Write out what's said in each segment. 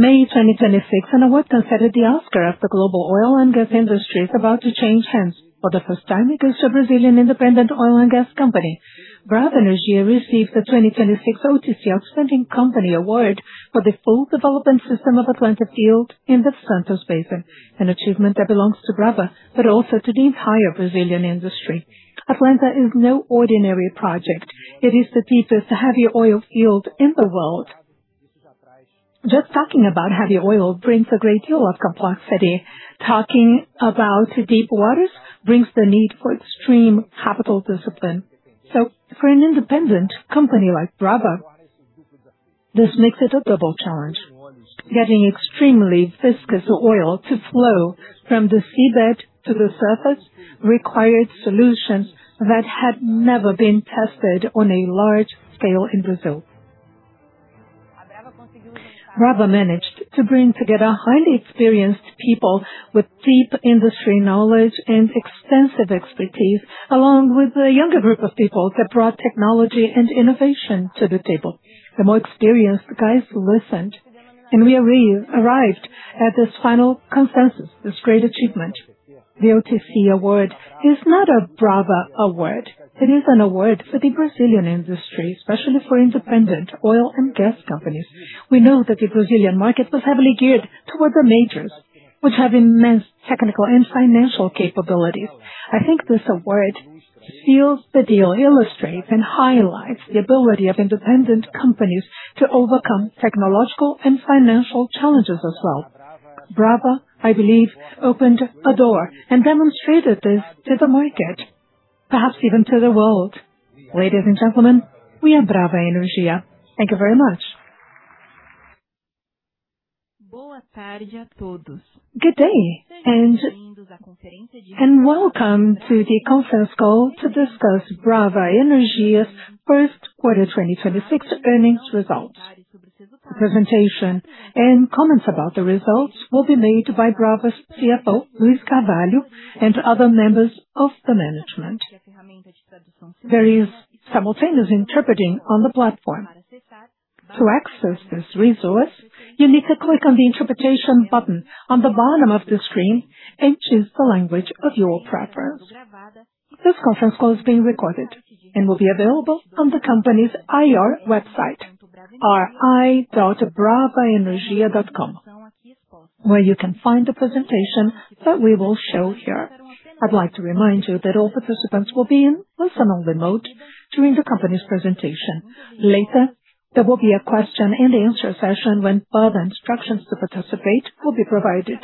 May 2026, an award considered the Oscar of the global oil and gas industry is about to change hands. For the first time, it goes to a Brazilian independent oil and gas company. Brava Energia received the 2026 OTC Outstanding Company Award for the full development system of Atlanta field in the Santos Basin. An achievement that belongs to Brava, but also to the entire Brazilian industry. Atlanta is no ordinary project. It is the deepest heavy oil field in the world. Just talking about heavy oil brings a great deal of complexity. Talking about deep waters brings the need for extreme capital discipline. For an independent company like Brava, this makes it a double challenge. Getting extremely viscous oil to flow from the seabed to the surface required solutions that had never been tested on a large scale in Brazil. Brava managed to bring together highly experienced people with deep industry knowledge and extensive expertise, along with a younger group of people that brought technology and innovation to the table. The more experienced guys listened, and we arrived at this final consensus, this great achievement. The OTC award is not a Brava award. It is an award for the Brazilian industry, especially for independent oil and gas companies. We know that the Brazilian market was heavily geared toward the majors, which have immense technical and financial capabilities. I think this award seals the deal, illustrates and highlights the ability of independent companies to overcome technological and financial challenges as well. Brava, I believe, opened a door and demonstrated this to the market, perhaps even to the world. Ladies and gentlemen, we are Brava Energia. Thank you very much. Good day and welcome to the conference call to discuss Brava Energia's first quarter 2026 earnings results. The presentation and comments about the results will be made by Brava's CFO, Luiz Carvalho, and other members of the management. There is simultaneous interpreting on the platform. To access this resource, you need to click on the interpretation button on the bottom of the screen and choose the language of your preference. This conference call is being recorded and will be available on the company's IR website, ri.bravaenergia.com, where you can find the presentation that we will show here. I'd like to remind you that all participants will be in listen-only mode during the company's presentation. Later, there will be a question-and-answer session when further instructions to participate will be provided.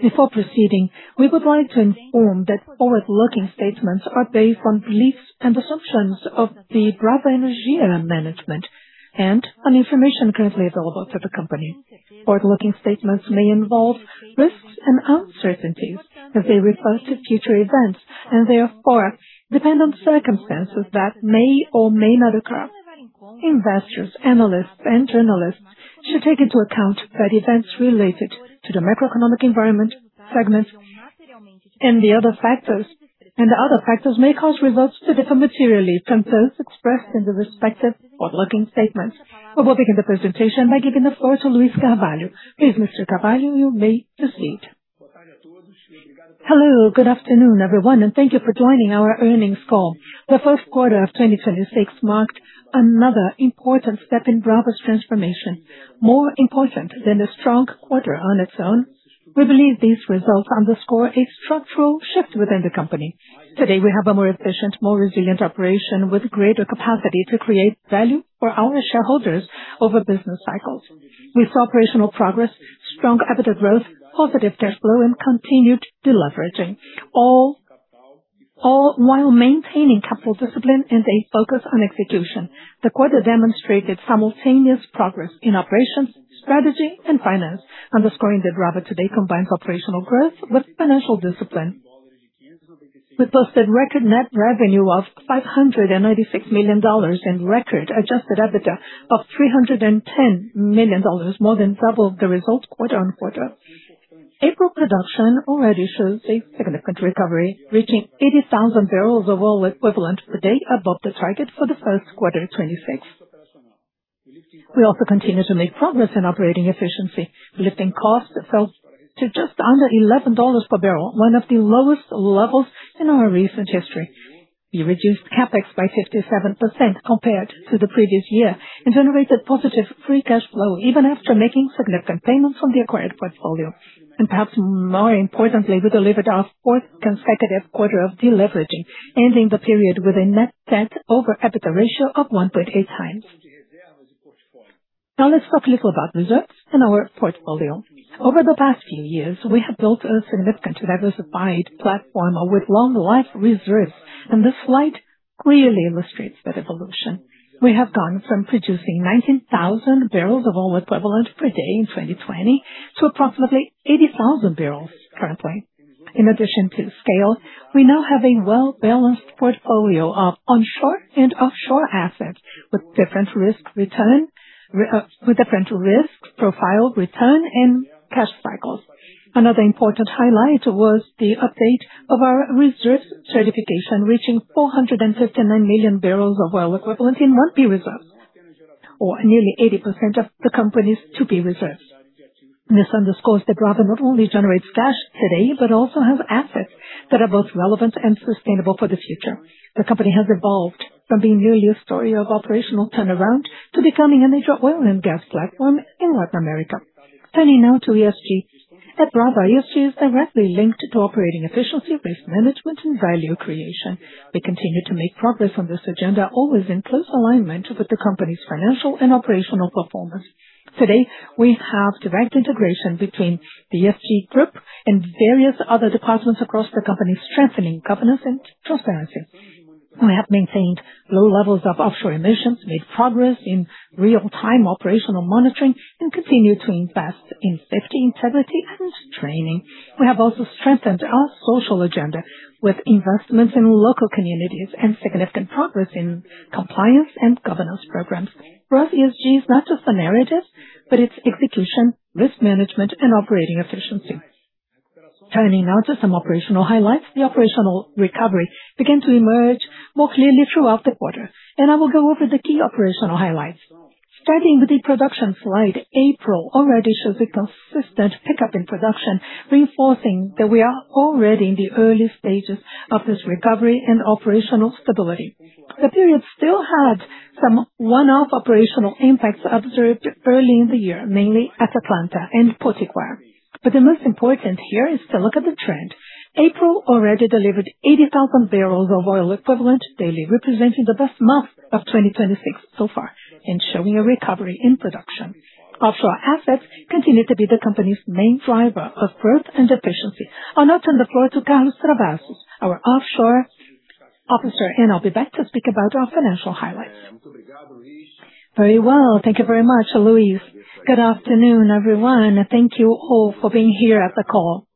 Before proceeding, we would like to inform that forward-looking statements are based on beliefs and assumptions of the Brava Energia management and on information currently available to the company. Forward-looking statements may involve risks and uncertainties as they refer to future events and therefore depend on circumstances that may or may not occur. Investors, analysts, and journalists should take into account that events related to the macroeconomic environment, segments, and the other factors, and the other factors may cause results to differ materially from those expressed in the respective forward-looking statements. We will begin the presentation by giving the floor to Luiz Carvalho. Please, Mr. Carvalho, you may proceed. Hello, good afternoon, everyone, and thank you for joining our earnings call. The first quarter of 2026 marked another important step in Brava's transformation. More important than a strong quarter on its own, we believe these results underscore a structural shift within the company. Today, we have a more efficient, more resilient operation with greater capacity to create value for our shareholders over business cycles. We saw operational progress, strong EBITDA growth, positive cash flow and continued deleveraging, all while maintaining capital discipline and a focus on execution. The quarter demonstrated simultaneous progress in operations, strategy and finance, underscoring that Brava today combines operational growth with financial discipline. We posted record net revenue of $596 million and record adjusted EBITDA of $310 million, more than double the result quarter-over-quarter. April production already shows a significant recovery, reaching 80,000 barrels of oil equivalent per day above the target for the first quarter 2026. We also continue to make progress in operating efficiency, lifting costs fell to just under $11 per barrel, one of the lowest levels in our recent history. We reduced CapEx by 57% compared to the previous year and generated positive free cash flow even after making significant payments on the acquired portfolio. Perhaps more importantly, we delivered our fourth consecutive quarter of deleveraging, ending the period with a net debt over EBITDA ratio of 1.8 times. Now let's talk a little about reserves in our portfolio. Over the past few years, we have built a significant diversified platform with long life reserves, and this slide clearly illustrates that evolution. We have gone from producing 19,000 barrels of oil equivalent per day in 2020 to approximately 80,000 barrels currently. In addition to scale, we now have a well-balanced portfolio of onshore and offshore assets with different risk profile return and cash cycles. Another important highlight was the update of our reserves certification, reaching 459 million barrels of oil equivalent in 1P reserves, or nearly 80% of the company's 2P reserves. This underscores that Brava not only generates cash today, but also has assets that are both relevant and sustainable for the future. The company has evolved from being merely a story of operational turnaround to becoming a major oil and gas platform in Latin America. Turning now to ESG. At Brava, ESG is directly linked to operating efficiency-based management and value creation. We continue to make progress on this agenda, always in close alignment with the company's financial and operational performance. Today, we have direct integration between the ESG group and various other departments across the company, strengthening governance and transparency. We have maintained low levels of offshore emissions, made progress in real-time operational monitoring, and continue to invest in safety, integrity, and training. We have also strengthened our social agenda with investments in local communities and significant progress in compliance and governance programs. For us, ESG is not just a narrative, but it's execution, risk management, and operating efficiency. Turning now to some operational highlights. The operational recovery began to emerge more clearly throughout the quarter, and I will go over the key operational highlights. Starting with the production slide, April already shows a consistent pickup in production, reinforcing that we are already in the early stages of this recovery and operational stability. The period still had some one-off operational impacts observed early in the year, mainly at Atlanta and Potiguar. The most important here is to look at the trend. April already delivered 80,000 barrels of oil equivalent daily, representing the best month of 2026 so far and showing a recovery in production. Offshore assets continue to be the company's main driver of growth and efficiency. I'll now turn the floor to Carlos Travassos, our Offshore Officer, and I'll be back to speak about our financial highlights. Very well. Thank you very much, Luiz Carvalho. Good afternoon, everyone. Thank you all for being here at the call.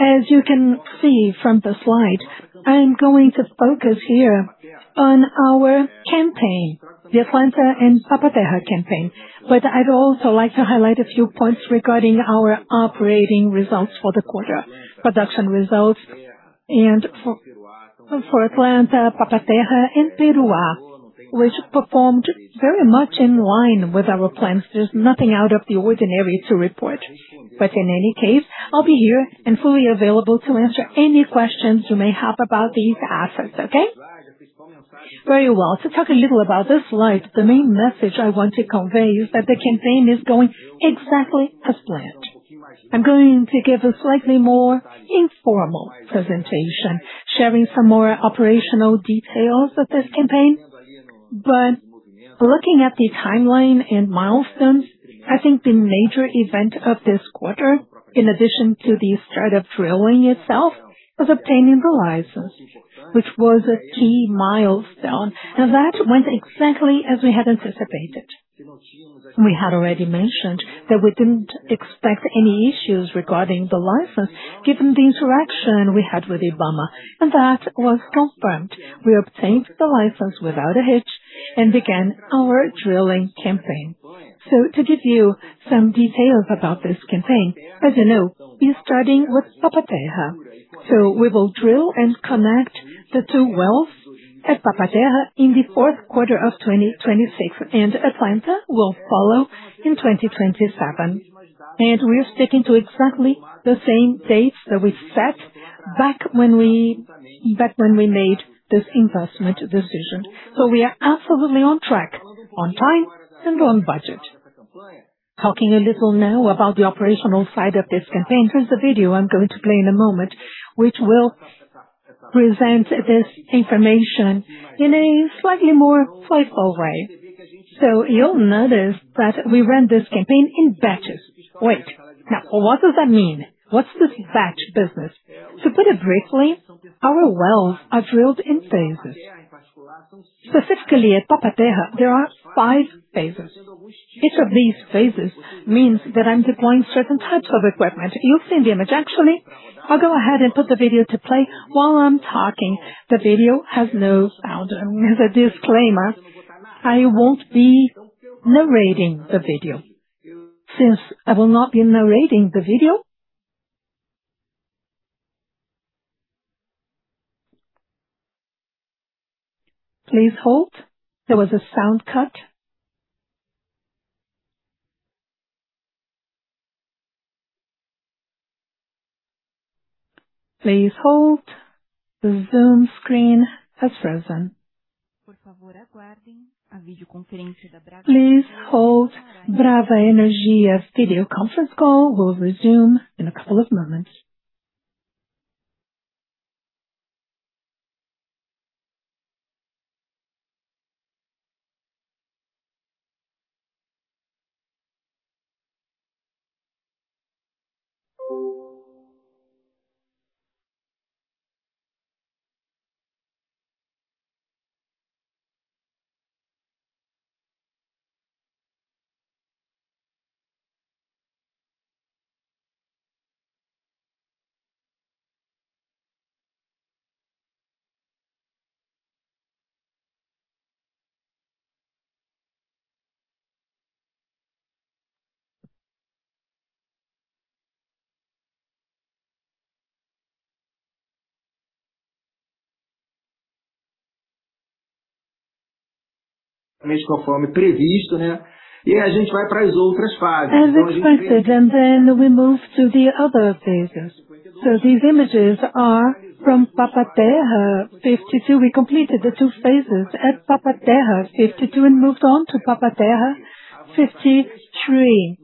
As you can see from the slide, I'm going to focus here on our campaign, the Atlanta and Papa-Terra campaign. I'd also like to highlight a few points regarding our operating results for the quarter, production results and for Atlanta, Papa-Terra and Piranema, which performed very much in line with our plans. There's nothing out of the ordinary to report. In any case, I'll be here and fully available to answer any questions you may have about these assets. Okay. Very well. To talk a little about this slide, the main message I want to convey is that the campaign is going exactly as planned. I'm going to give a slightly more informal presentation, sharing some more operational details of this campaign. Looking at the timeline and milestones, I think the major event of this quarter, in addition to the start of drilling itself, was obtaining the license, which was a key milestone, and that went exactly as we had anticipated. We had already mentioned that we didn't expect any issues regarding the license, given the interaction we had with IBAMA, and that was confirmed. We obtained the license without a hitch and began our drilling campaign. To give you some details about this campaign, as you know, we're starting with Papa-Terra. We will drill and connect the two wells at Papa-Terra in the fourth quarter of 2026, and Atlanta will follow in 2027. We are sticking to exactly the same dates that we set back when we made this investment decision. We are absolutely on track, on time and on budget. Talking a little now about the operational side of this campaign, there's a video I'm going to play in a moment which will present this information in a slightly more playful way. You'll notice that we ran this campaign in batches. Wait. Now, what does that mean? What's this batch business? To put it briefly, our wells are drilled in phases. Specifically at Papa-Terra, there are five phases. Each of these phases means that I'm deploying certain types of equipment. You'll see in the image. Actually, I'll go ahead and put the video to play while I'm talking. The video has no sound. As a disclaimer, I won't be narrating the video. Since I will not be narrating the video. Please hold. There was a sound cut. Please hold. The Zoom screen has frozen. Please hold. Brava Energia's video conference call will resume in a couple of moments. Conforme previsto, né? Aí a gente vai pras outras fases. As expected, we move to the other phases. These images are from Papa-Terra 52. We completed the two phases at Papa-Terra 52 and moved on to Papa-Terra 53.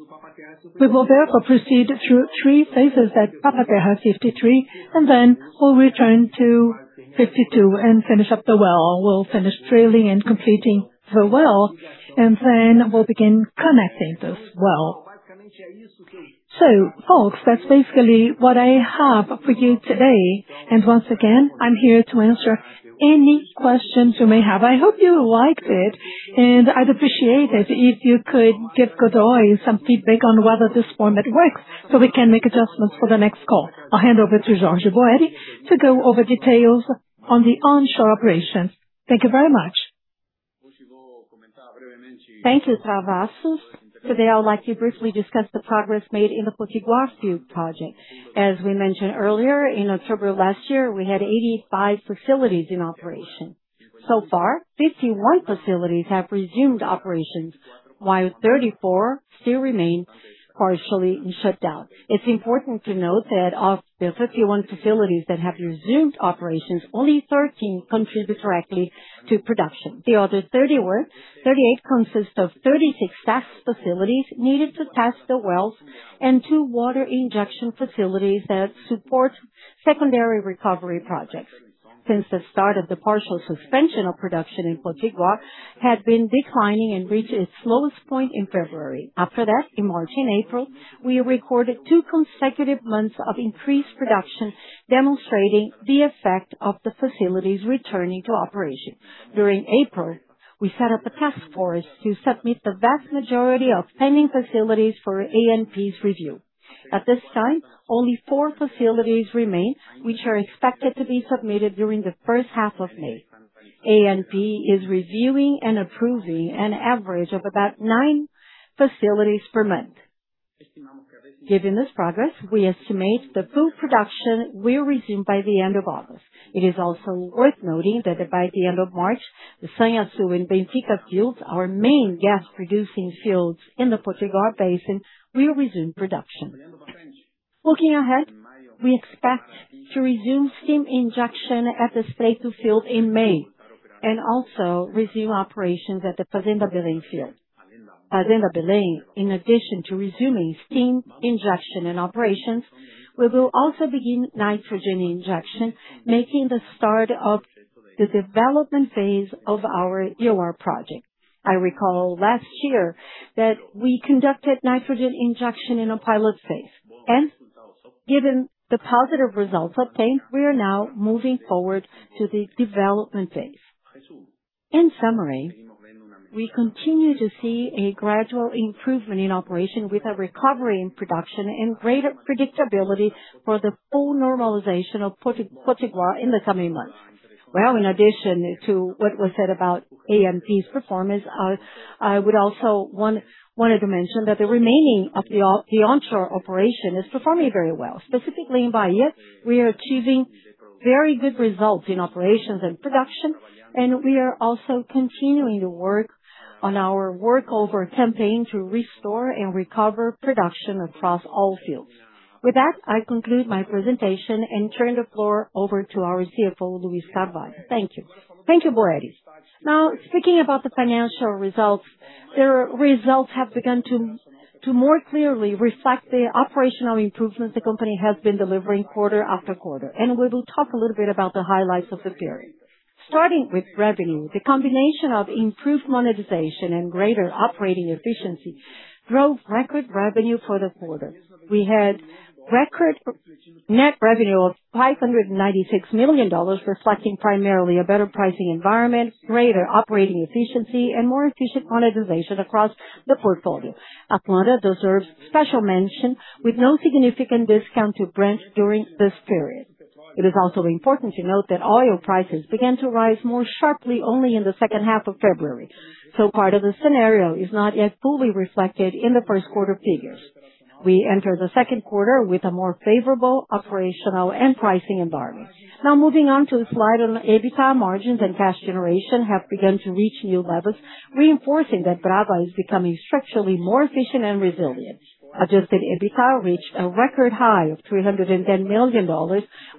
We will therefore proceed through three phases at Papa-Terra 53. We'll return to 52 and finish up the well. We'll finish drilling and completing the well. We'll begin connecting this well. Folks, that's basically what I have for you today. Once again, I'm here to answer any questions you may have. I hope you liked it, and I'd appreciate it if you could give Godoy some feedback on whether this format works so we can make adjustments for the next call. I'll hand over to Jorge Boeri to go over details on the onshore operations. Thank you very much. Thank you, Travassos. Today, I would like to briefly discuss the progress made in the Potiguar field project. As we mentioned earlier, in October of last year, we had 85 facilities in operation. So far, 51 facilities have resumed operations, while 34 still remain partially shut down. It's important to note that of the 51 facilities that have resumed operations, only 13 contribute directly to production. The other 38 consist of 36 test facilities needed to test the wells and two water injection facilities that support secondary recovery projects. Since the start of the partial suspension of production in Potiguar, had been declining and reached its lowest point in February. After that, in March and April, we recorded two consecutive months of increased production, demonstrating the effect of the facilities returning to operation. During April, we set up a task force to submit the vast majority of pending facilities for ANP's review. At this time, only four facilities remain, which are expected to be submitted during the first half of May. ANP is reviewing and approving an average of about nine facilities per month. Given this progress, we estimate that full production will resume by the end of August. It is also worth noting that by the end of March, the Sanhaçu and Bentica fields, our main gas-producing fields in the Potiguar Basin, will resume production. Looking ahead, we expect to resume steam injection at the Seitu field in May, also resume operations at the Fazenda Belém field. Fazenda Belém, in addition to resuming steam injection and operations, we will also begin nitrogen injection, marking the start of the development phase of our EOR project. I recall last year that we conducted nitrogen injection in a pilot phase. Given the positive results obtained, we are now moving forward to the development phase. In summary, we continue to see a gradual improvement in operation with a recovery in production and greater predictability for the full normalization of Potiguar in the coming months. Well, in addition to what was said about ANP's performance, I would also wanted to mention that the remaining of the onshore operation is performing very well. Specifically in Bahia, we are achieving very good results in operations and production, and we are also continuing to work on our workover campaign to restore and recover production across all fields. With that, I conclude my presentation and turn the floor over to our CFO, Luiz Carvalho. Thank you. Thank you, Boeri. Now, speaking about the financial results, the results have begun to more clearly reflect the operational improvements the company has been delivering quarter after quarter. We will talk a little bit about the highlights of the period. Starting with revenue, the combination of improved monetization and greater operating efficiency drove record revenue for the quarter. We had record net revenue of $596 million, reflecting primarily a better pricing environment, greater operating efficiency, and more efficient monetization across the portfolio. Atlanta deserves special mention, with no significant discount to Brent during this period. It is also important to note that oil prices began to rise more sharply only in the second half of February, part of the scenario is not yet fully reflected in the first quarter figures. We enter the second quarter with a more favorable operational and pricing environment. Now moving on to a slide on EBITDA margins and cash generation have begun to reach new levels, reinforcing that Brava is becoming structurally more efficient and resilient. Adjusted EBITDA reached a record high of $310 million,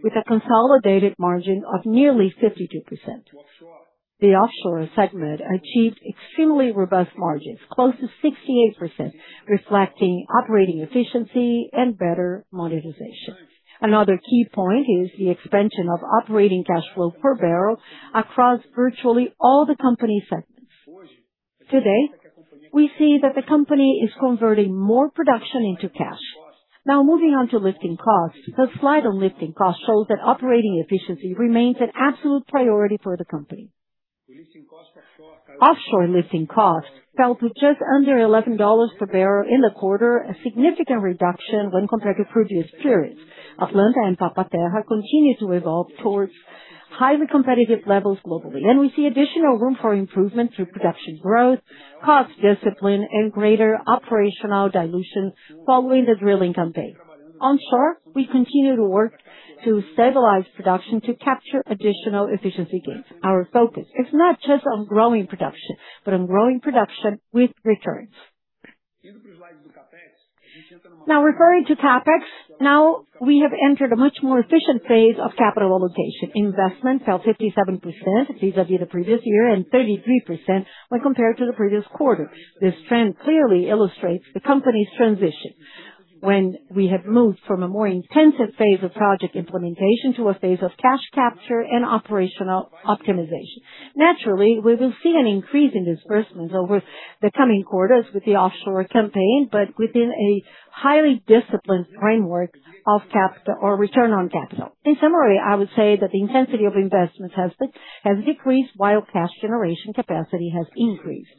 with a consolidated margin of nearly 52%. The offshore segment achieved extremely robust margins, close to 68%, reflecting operating efficiency and better monetization. Another key point is the expansion of operating cash flow per barrel across virtually all the company segments. Today, we see that the company is converting more production into cash. Now moving on to lifting costs. The slide on lifting costs shows that operating efficiency remains an absolute priority for the company. Offshore lifting costs fell to just under 11 dollars per barrel in the quarter, a significant reduction when compared to previous periods. Atlanta and Papa-Terra continue to evolve towards highly competitive levels globally. We see additional room for improvement through production growth, cost discipline, and greater operational dilution following the drilling campaign. Onshore, we continue to work to stabilize production to capture additional efficiency gains. Our focus is not just on growing production, but on growing production with returns. Now referring to CapEx. Now we have entered a much more efficient phase of capital allocation. Investment fell 57% vis-a-vis the previous year and 33% when compared to the previous quarter. This trend clearly illustrates the company's transition when we have moved from a more intensive phase of project implementation to a phase of cash capture and operational optimization. Naturally, we will see an increase in disbursements over the coming quarters with the offshore campaign, but within a highly disciplined framework of capital or return on capital. In summary, I would say that the intensity of investment has decreased while cash generation capacity has increased.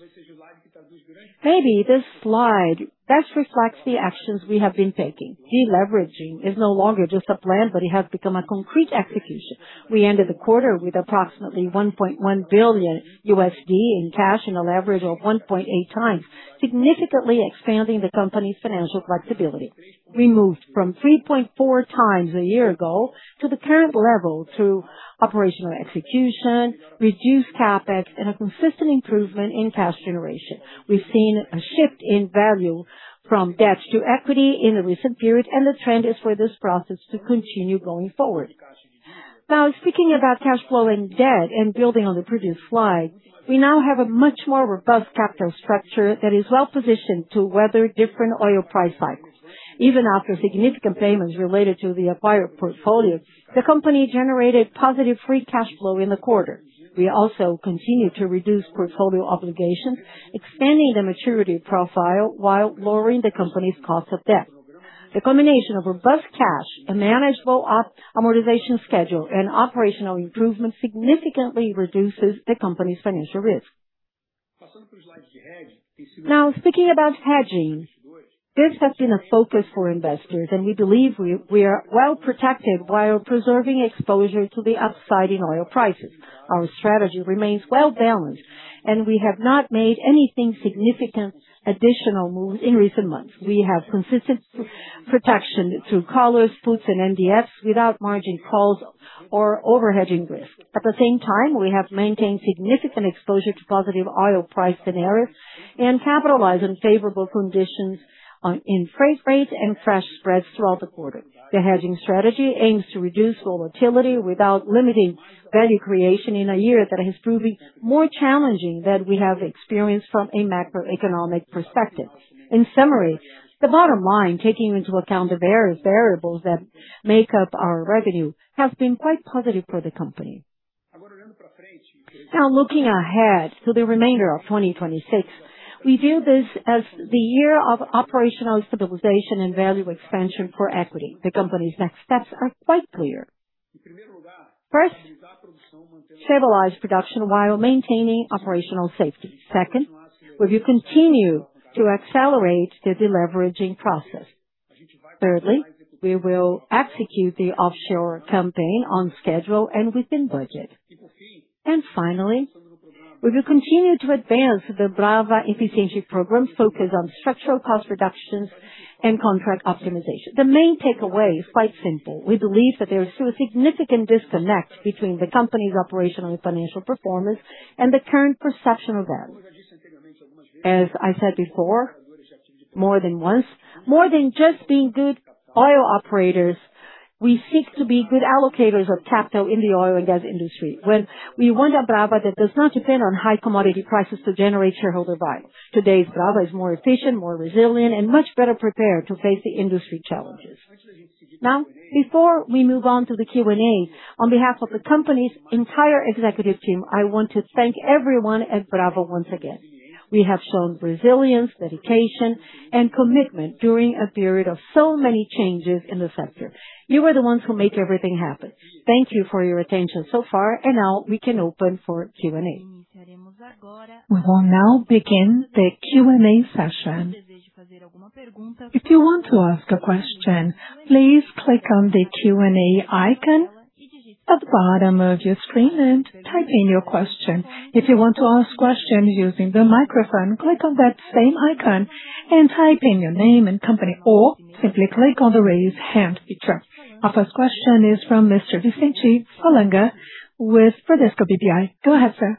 Maybe this slide best reflects the actions we have been taking. Deleveraging is no longer just a plan, but it has become a concrete execution. We ended the quarter with approximately $1.1 billion in cash and a leverage of 1.8 times, significantly expanding the company's financial flexibility. We moved from 3.4 times a year ago to the current level through operational execution, reduced CapEx, and a consistent improvement in cash generation. We've seen a shift in value from debt to equity in the recent period, and the trend is for this process to continue going forward. Now, speaking about cash flow and debt and building on the previous slide, we now have a much more robust capital structure that is well-positioned to weather different oil price cycles. Even after significant payments related to the acquired portfolio, the company generated positive free cash flow in the quarter. We also continue to reduce portfolio obligations, extending the maturity profile while lowering the company's cost of debt. The combination of robust cash, a manageable operating amortization schedule, and operational improvement significantly reduces the company's financial risk. Now, speaking about hedging, this has been a focus for investors, and we believe we are well-protected while preserving exposure to the upside in oil prices. Our strategy remains well-balanced, and we have not made anything significant additional moves in recent months. We have consistent protection through collars, puts, and NDFs without margin calls or over-hedging risk. At the same time, we have maintained significant exposure to positive oil price scenarios and capitalize on favorable conditions on in freight rates and freight spreads throughout the quarter. The hedging strategy aims to reduce volatility without limiting value creation in a year that has proven more challenging than we have experienced from a macroeconomic perspective. In summary, the bottom line, taking into account the various variables that make up our revenue, has been quite positive for the company. Now, looking ahead to the remainder of 2026, we view this as the year of operational stabilization and value expansion for equity. The company's next steps are quite clear. First, stabilize production while maintaining operational safety. Second, we will continue to accelerate the deleveraging process. Thirdly, we will execute the offshore campaign on schedule and within budget. Finally, we will continue to advance the Brava Efficiency Program focused on structural cost reductions and contract optimization. The main takeaway is quite simple. We believe that there is still a significant disconnect between the company's operational and financial performance and the current perception of that. As I said before, more than once, more than just being good oil operators, we seek to be good allocators of capital in the oil and gas industry. When we want a Brava that does not depend on high commodity prices to generate shareholder value. Today's Brava is more efficient, more resilient, and much better prepared to face the industry challenges. Now, before we move on to the Q&A, on behalf of the company's entire executive team, I want to thank everyone at Brava once again. We have shown resilience, dedication, and commitment during a period of so many changes in the sector. You are the ones who make everything happen. Thank you for your attention so far, and now we can open for Q&A. We will now begin the Q&A session. If you want to ask a question, please click on the Q&A icon at the bottom of your screen and type in your question. If you want to ask questions using the microphone, click on that same icon and type in your name and company, or simply click on the Raise Hand feature. Our first question is from Mr. Vicente Falanga with Bradesco BBI. Go ahead, sir.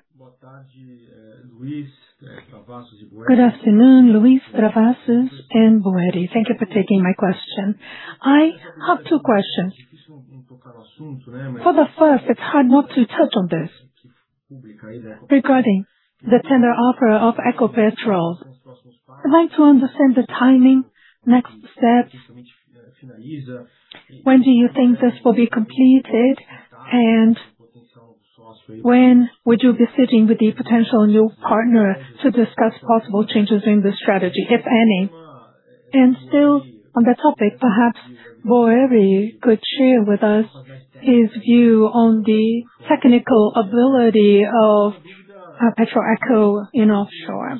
Good afternoon, Luiz, Travassos, and Boeri. Thank you for taking my question. I have two questions. For the first, it's hard not to touch on this regarding the tender offer of Ecopetrol. I'd like to understand the timing, next steps. When do you think this will be completed? When would you be sitting with the potential new partner to discuss possible changes in the strategy, if any? still on the topic, perhaps Boeri could share with us his view on the technical ability of Petroecho in offshore.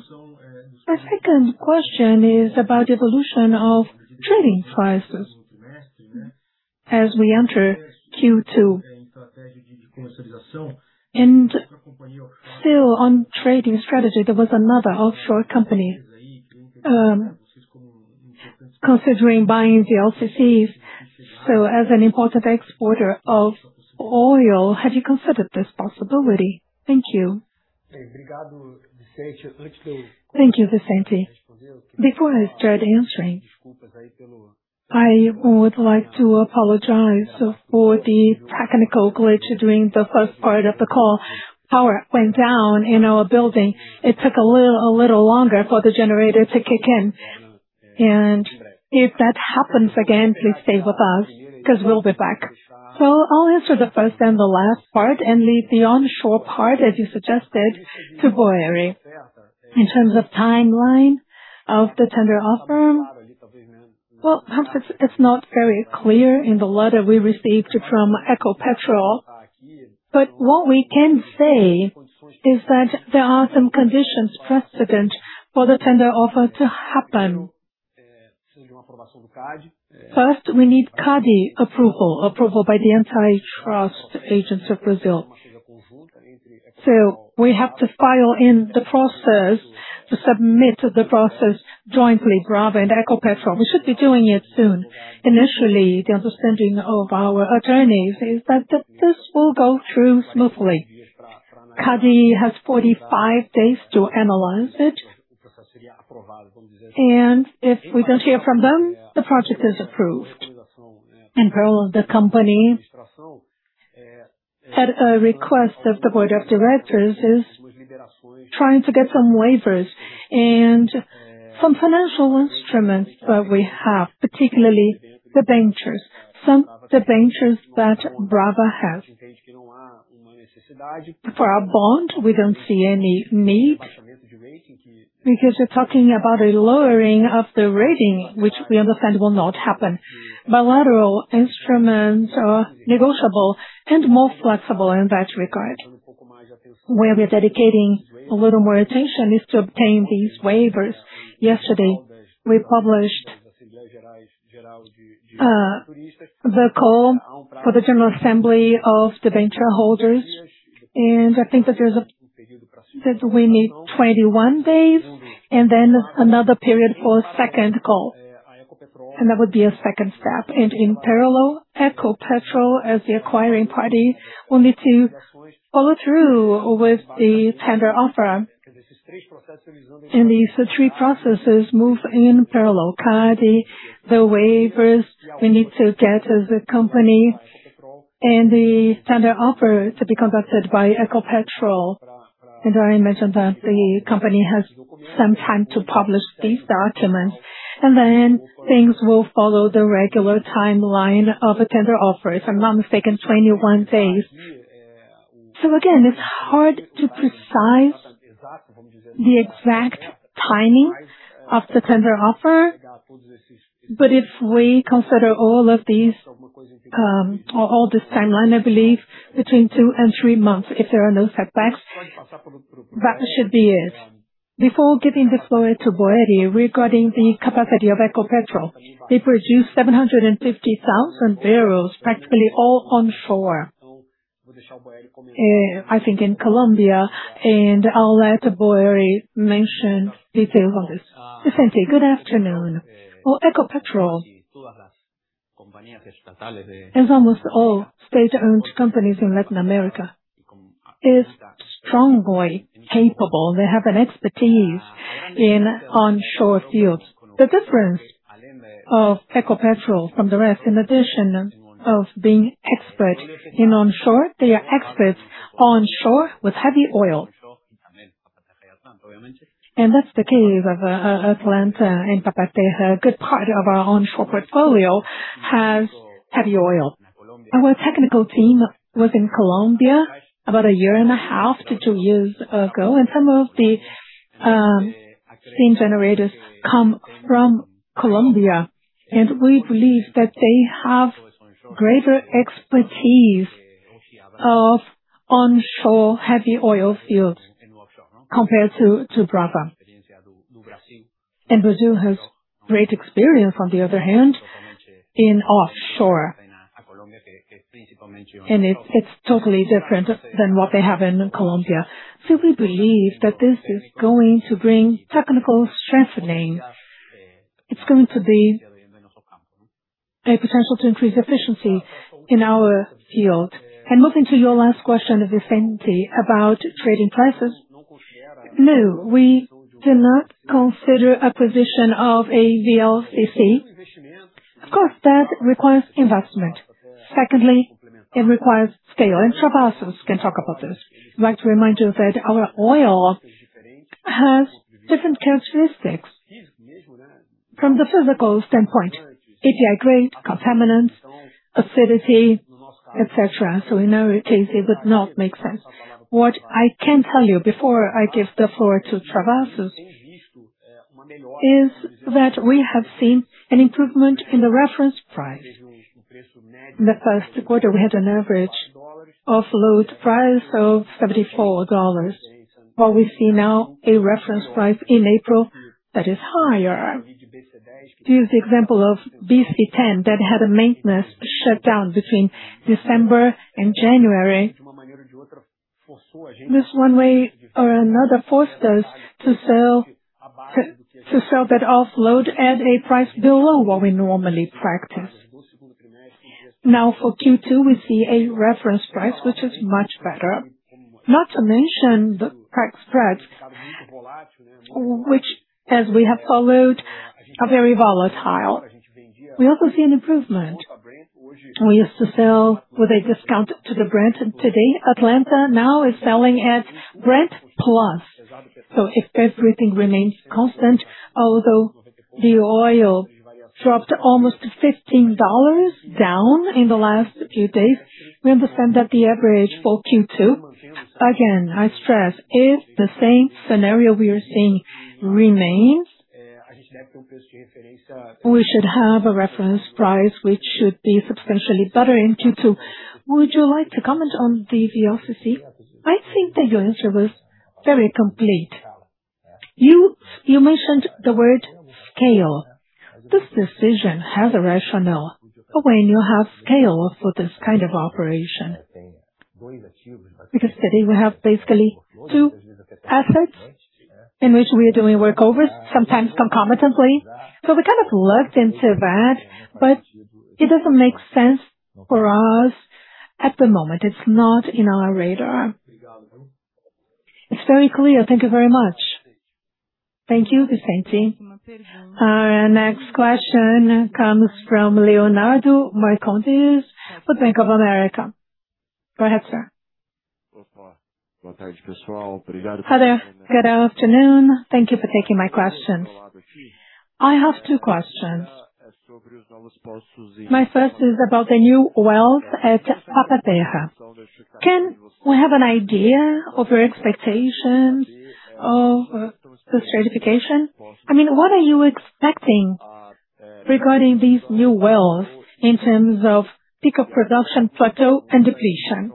My second question is about evolution of trading prices as we enter Q2. still on trading strategy, there was another offshore company, considering buying VLCCs. as an important exporter of oil, have you considered this possibility? Thank you. Thank you, Vicente. Before I start answering, I would like to apologize for the technical glitch during the first part of the call. Power went down in our building. It took a little longer for the generator to kick in. If that happens again, please stay with us because we'll be back. I'll answer the first and the last part and leave the onshore part, as you suggested to Boeri. In terms of timeline of the tender offer, well, perhaps it's not very clear in the letter we received from Ecopetrol. What we can say is that there are some conditions precedent for the tender offer to happen. First, we need CADE approval by the antitrust agents of Brazil. We have to file in the process to submit the process jointly, Brava and Ecopetrol. We should be doing it soon. Initially, the understanding of our attorneys is that this will go through smoothly. CADE has 45 days to analyze it. If we don't hear from them, the project is approved. In parallel, the company, at a request of the board of directors, is trying to get some waivers and some financial instruments that we have, particularly debentures, some debentures that Brava has. For our bond, we don't see any need because you're talking about a lowering of the rating, which we understand will not happen. Bilateral instruments are negotiable and more flexible in that regard. Where we are dedicating a little more attention is to obtain these waivers. Yesterday, we published the call for the general assembly of debenture holders, and I think that there's that we need 21 days and then another period for a second call, and that would be a second step. In parallel, Ecopetrol, as the acquiring party, will need to follow through with the tender offer. These three processes move in parallel: CADE, the waivers we need to get as a company, and the tender offer to be conducted by Ecopetrol. I mentioned that the company has some time to publish these documents, and then things will follow the regular timeline of a tender offer. If I'm not mistaken, 21 days. Again, it's hard to precise the exact timing of the tender offer. If we consider all of these, or all this timeline, I believe between two and three months, if there are no setbacks, that should be it. Before giving this floor to Boeri, regarding the capacity of Ecopetrol, they produce 750,000 barrels, practically all onshore, I think in Colombia. I'll let Boeri mention details on this. Vicente, good afternoon. Well, Ecopetrol, as almost all state-owned companies in Latin America, is strongly capable. They have an expertise in onshore fields. The difference of Ecopetrol from the rest, in addition of being expert in onshore, they are experts onshore with heavy oil. That's the case of Atlanta and Papa-Terra. A good part of our onshore portfolio has heavy oil. Our technical team was in Colombia about a year and a half to two years ago, and some of the steam generators come from Colombia. We believe that they have greater expertise of onshore heavy oil fields compared to Brava. Brazil has great experience, on the other hand, in offshore. It's totally different than what they have in Colombia. We believe that this is going to bring technical strengthening. It's going to be a potential to increase efficiency in our field. Moving to your last question, Vicente, about trading prices. No, we do not consider acquisition of a VLCC. Of course, that requires investment. Secondly, it requires scale, and Travassos can talk about this. I'd like to remind you that our oil has different characteristics from the physical standpoint: API grade, contaminants, acidity, et cetera. In our case, it would not make sense. What I can tell you before I give the floor to Travassos is that we have seen an improvement in the reference price. In the first quarter, we had an average offload price of 74 dollars. What we see now, a reference price in April that is higher. To use the example of BC-10 that had a maintenance shutdown between December and January. This one way or another forced us to sell that offload at a price below what we normally practice. Now for Q2, we see a reference price which is much better. Not to mention the crack spreads, which as we have followed, are very volatile. We also see an improvement. We used to sell with a discount to the Brent. Today, Atlanta now is selling at Brent plus. If everything remains constant, although the oil dropped almost 15 dollars down in the last few days, we understand that the average for Q2, again, I stress, if the same scenario we are seeing remains, we should have a reference price which should be substantially better in Q2. Would you like to comment on the VLCC? I think that your answer was very complete. You mentioned the word scale. This decision has a rationale when you have scale for this kind of operation. Because today we have basically two assets in which we are doing workovers, sometimes concomitantly. We kind of looked into that, but it doesn't make sense for us at the moment. It's not in our radar. It's very clear. Thank you very much. Thank you, Vicente. Our next question comes from Leonardo Marcondes for Bank of America. Go ahead, sir. Hi there. Good afternoon. Thank you for taking my questions. I have two questions. My first is about the new wells at Papa-Terra. Can we have an idea of your expectations of the stratification? I mean, what are you expecting regarding these new wells in terms of peak of production, plateau and depletion?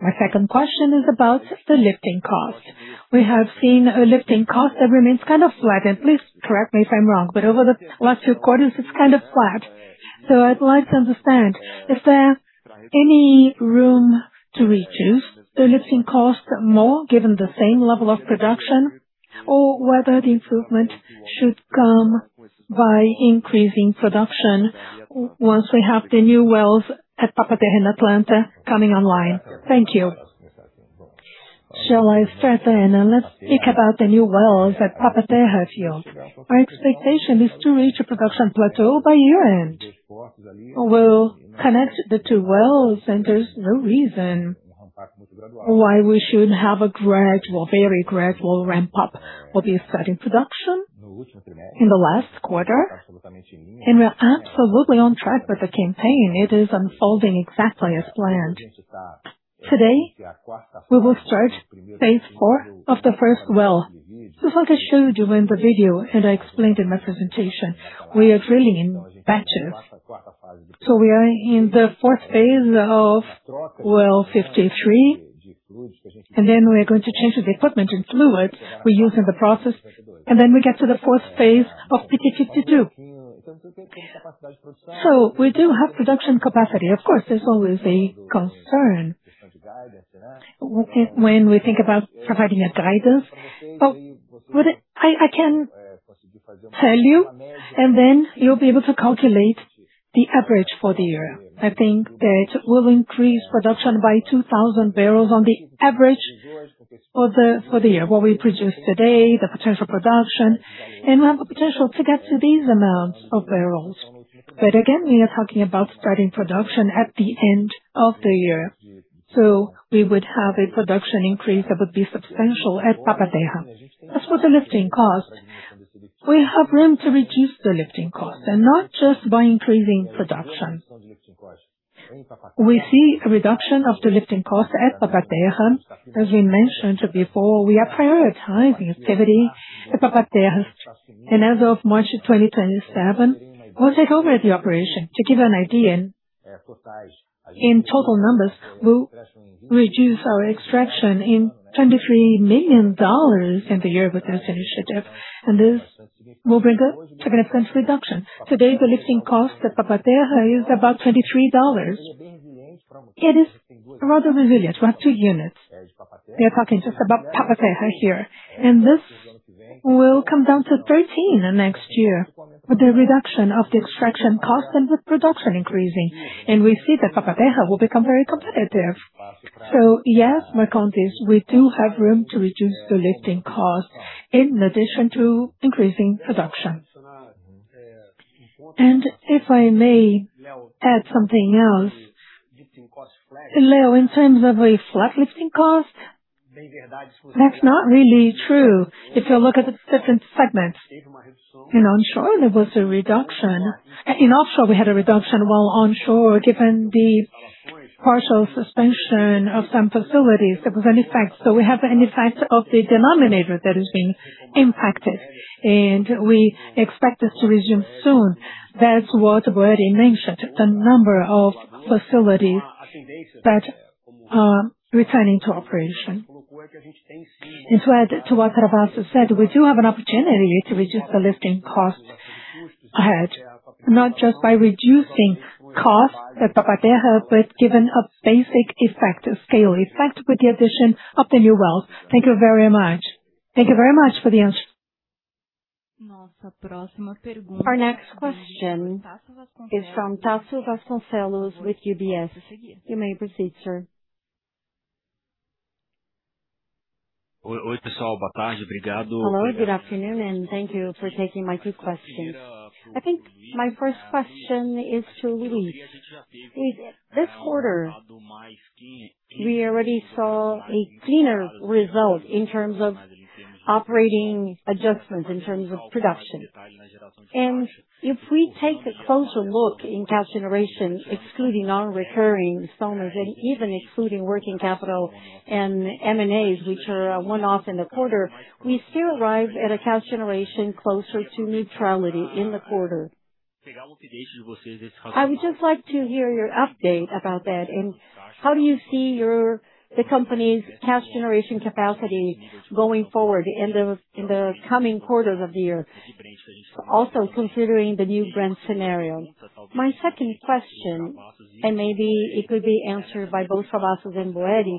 My second question is about the lifting costs. We have seen a lifting cost that remains kind of flattened. Please correct me if I'm wrong, but over the last few quarters, it's kind of flat. I'd like to understand if there any room to reduce the lifting cost more given the same level of production or whether the improvement should come by increasing production once we have the new wells at Papa-Terra in Atlanta coming online. Thank you. Shall I start then? Let's speak about the new wells at Papa-Terra field. Our expectation is to reach a production plateau by year-end. We'll connect the two wells, and there's no reason why we should have a gradual, very gradual ramp up of the starting production in the last quarter. We are absolutely on track with the campaign. It is unfolding exactly as planned. Today, we will start phase four of the first well. As I showed you in the video, and I explained in my presentation, we are drilling in batches. We are in the fourth phase of well 53, and then we are going to change the equipment and fluids we use in the process, and then we get to the fourth phase of PT 52. We do have production capacity. Of course, there's always a concern when we think about providing a guidance. What I can tell you, and then you'll be able to calculate the average for the year. I think that we'll increase production by 2,000 barrels on the average for the year. What we produce today, the potential production, and we have the potential to get to these amounts of barrels. Again, we are talking about starting production at the end of the year. We would have a production increase that would be substantial at Papa-Terra. As for the lifting cost, we have room to reduce the lifting cost and not just by increasing production. We see a reduction of the lifting cost at Papa-Terra. As we mentioned before, we are prioritizing activity at Papa-Terra. As of March 2027, we'll take over the operation. To give you an idea in total numbers, we'll reduce our extraction in $23 million in the year with this initiative, and this will bring a significant reduction. Today, the lifting cost at Papa-Terra is about $23. It is rather resilient. We have two units. We are talking just about Papa-Terra here. This will come down to $13 next year with the reduction of the extraction cost and with production increasing. We see that Papa-Terra will become very competitive. Yes, Marcondes, we do have room to reduce the lifting cost in addition to increasing production. If I may add something else, Leo, in terms of a flat lifting cost, that's not really true. If you look at the different segments. In onshore, there was a reduction. In offshore, we had a reduction while onshore, given the Partial suspension of some facilities that was an effect. We have an effect of the denominator that has been impacted, and we expect this to resume soon. That's what Boeri mentioned, the number of facilities that are returning to operation. To add to what Travassos said, we do have an opportunity to reduce the lifting cost ahead, not just by reducing costs at Papa-Terra, but given a basic effect, a scale effect with the addition of the new wells. Thank you very much. Thank you very much for the answer. Our next question is from Tasso Vasconcellos with UBS. You may proceed, sir. Hello, good afternoon, and thank you for taking my two questions. I think my first question is to Luiz. In this quarter, we already saw a cleaner result in terms of operating adjustments, in terms of production. If we take a closer look in cash generation, excluding non-recurring installment, and even excluding working capital and M&As, which are a one-off in the quarter, we still arrive at a cash generation closer to neutrality in the quarter. I would just like to hear your update about that. How do you see the company's cash generation capacity going forward in the coming quarters of the year? Also considering the new Brent scenario. My second question, and maybe it could be answered by both Travassos and Boeri.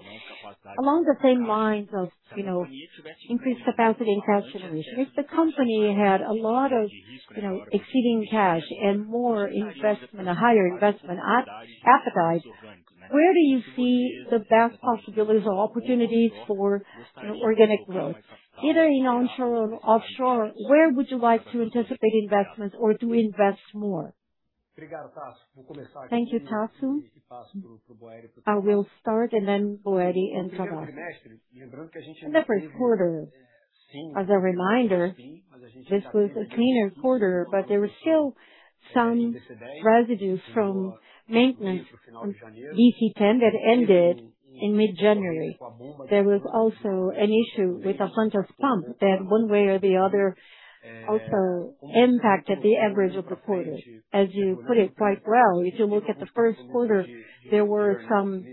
Along the same lines of, you know, increased capacity and cash generation, if the company had a lot of, you know, excess cash and more investment, a higher investment appetite, where do you see the best possibilities or opportunities for organic growth, either in onshore or offshore? Where would you like to anticipate investments or to invest more? Thank you, Tasso. I will start, and then Boeri and Travassos. In the first quarter, as a reminder, this was a cleaner quarter, but there was still some residue from maintenance on BC-10 that ended in mid-January. There was also an issue with a hunter pump that, one way or the other, also impacted the average of the quarter. As you put it quite well, if you look at the first quarter, there were some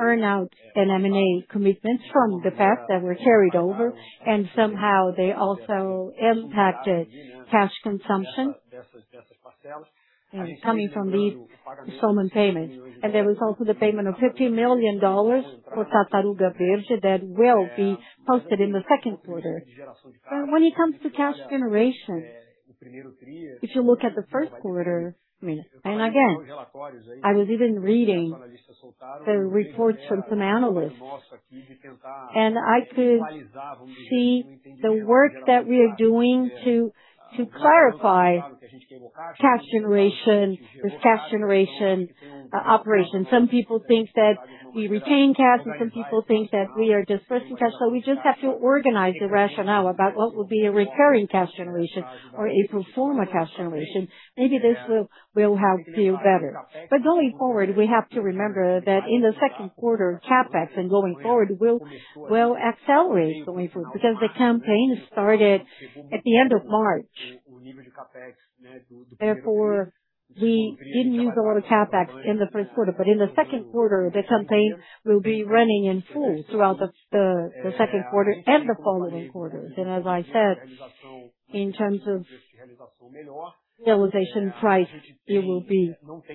earn-out and M&A commitments from the past that were carried over, and somehow they also impacted cash consumption. Coming from these installment payments. There was also the payment of 50 million dollars for Tartaruga Verde that will be posted in the second quarter. When it comes to cash generation, if you look at the first quarter, I mean, and again, I was even reading the reports from some analysts, and I could see the work that we are doing to clarify cash generation with cash generation operation. Some people think that we retain cash, and some people think that we are dispersing cash. We just have to organize the rationale about what will be a recurring cash generation or a pro forma cash generation. Maybe this will help you better. Going forward, we have to remember that in the second quarter, CapEx and going forward will accelerate going forward because the campaign started at the end of March. Therefore, we didn't use a lot of CapEx in the first quarter. In the second quarter, the campaign will be running in full throughout the second quarter and the following quarters. As I said, in terms of realization price, it will be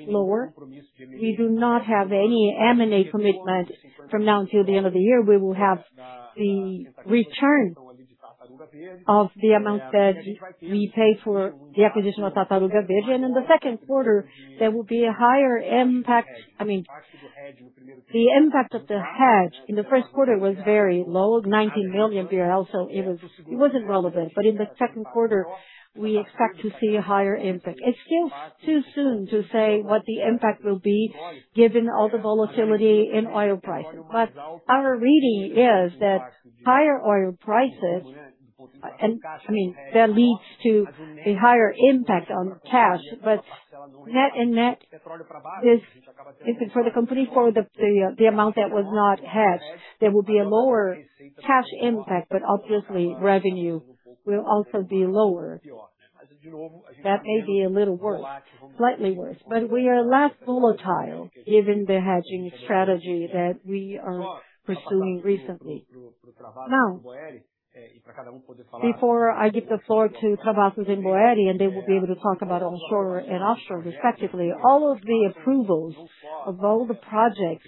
lower. We do not have any M&A commitment from now until the end of the year. We will have the return of the amount that we paid for the acquisition of Tartaruga Verde. In the second quarter there will be a higher impact. I mean, the impact of the hedge in the first quarter was very low, 19 million BRL. It wasn't relevant. In the second quarter we expect to see a higher impact. It's still too soon to say what the impact will be given all the volatility in oil prices. Our reading is that higher oil prices, and I mean, that leads to a higher impact on cash. Net and net is for the company, for the amount that was not hedged, there will be a lower cash impact, but obviously revenue will also be lower. That may be a little worse, slightly worse, but we are less volatile given the hedging strategy that we are pursuing recently. Now, before I give the floor to Travassos and Boeri, and they will be able to talk about onshore and offshore respectively, all of the approvals of all the projects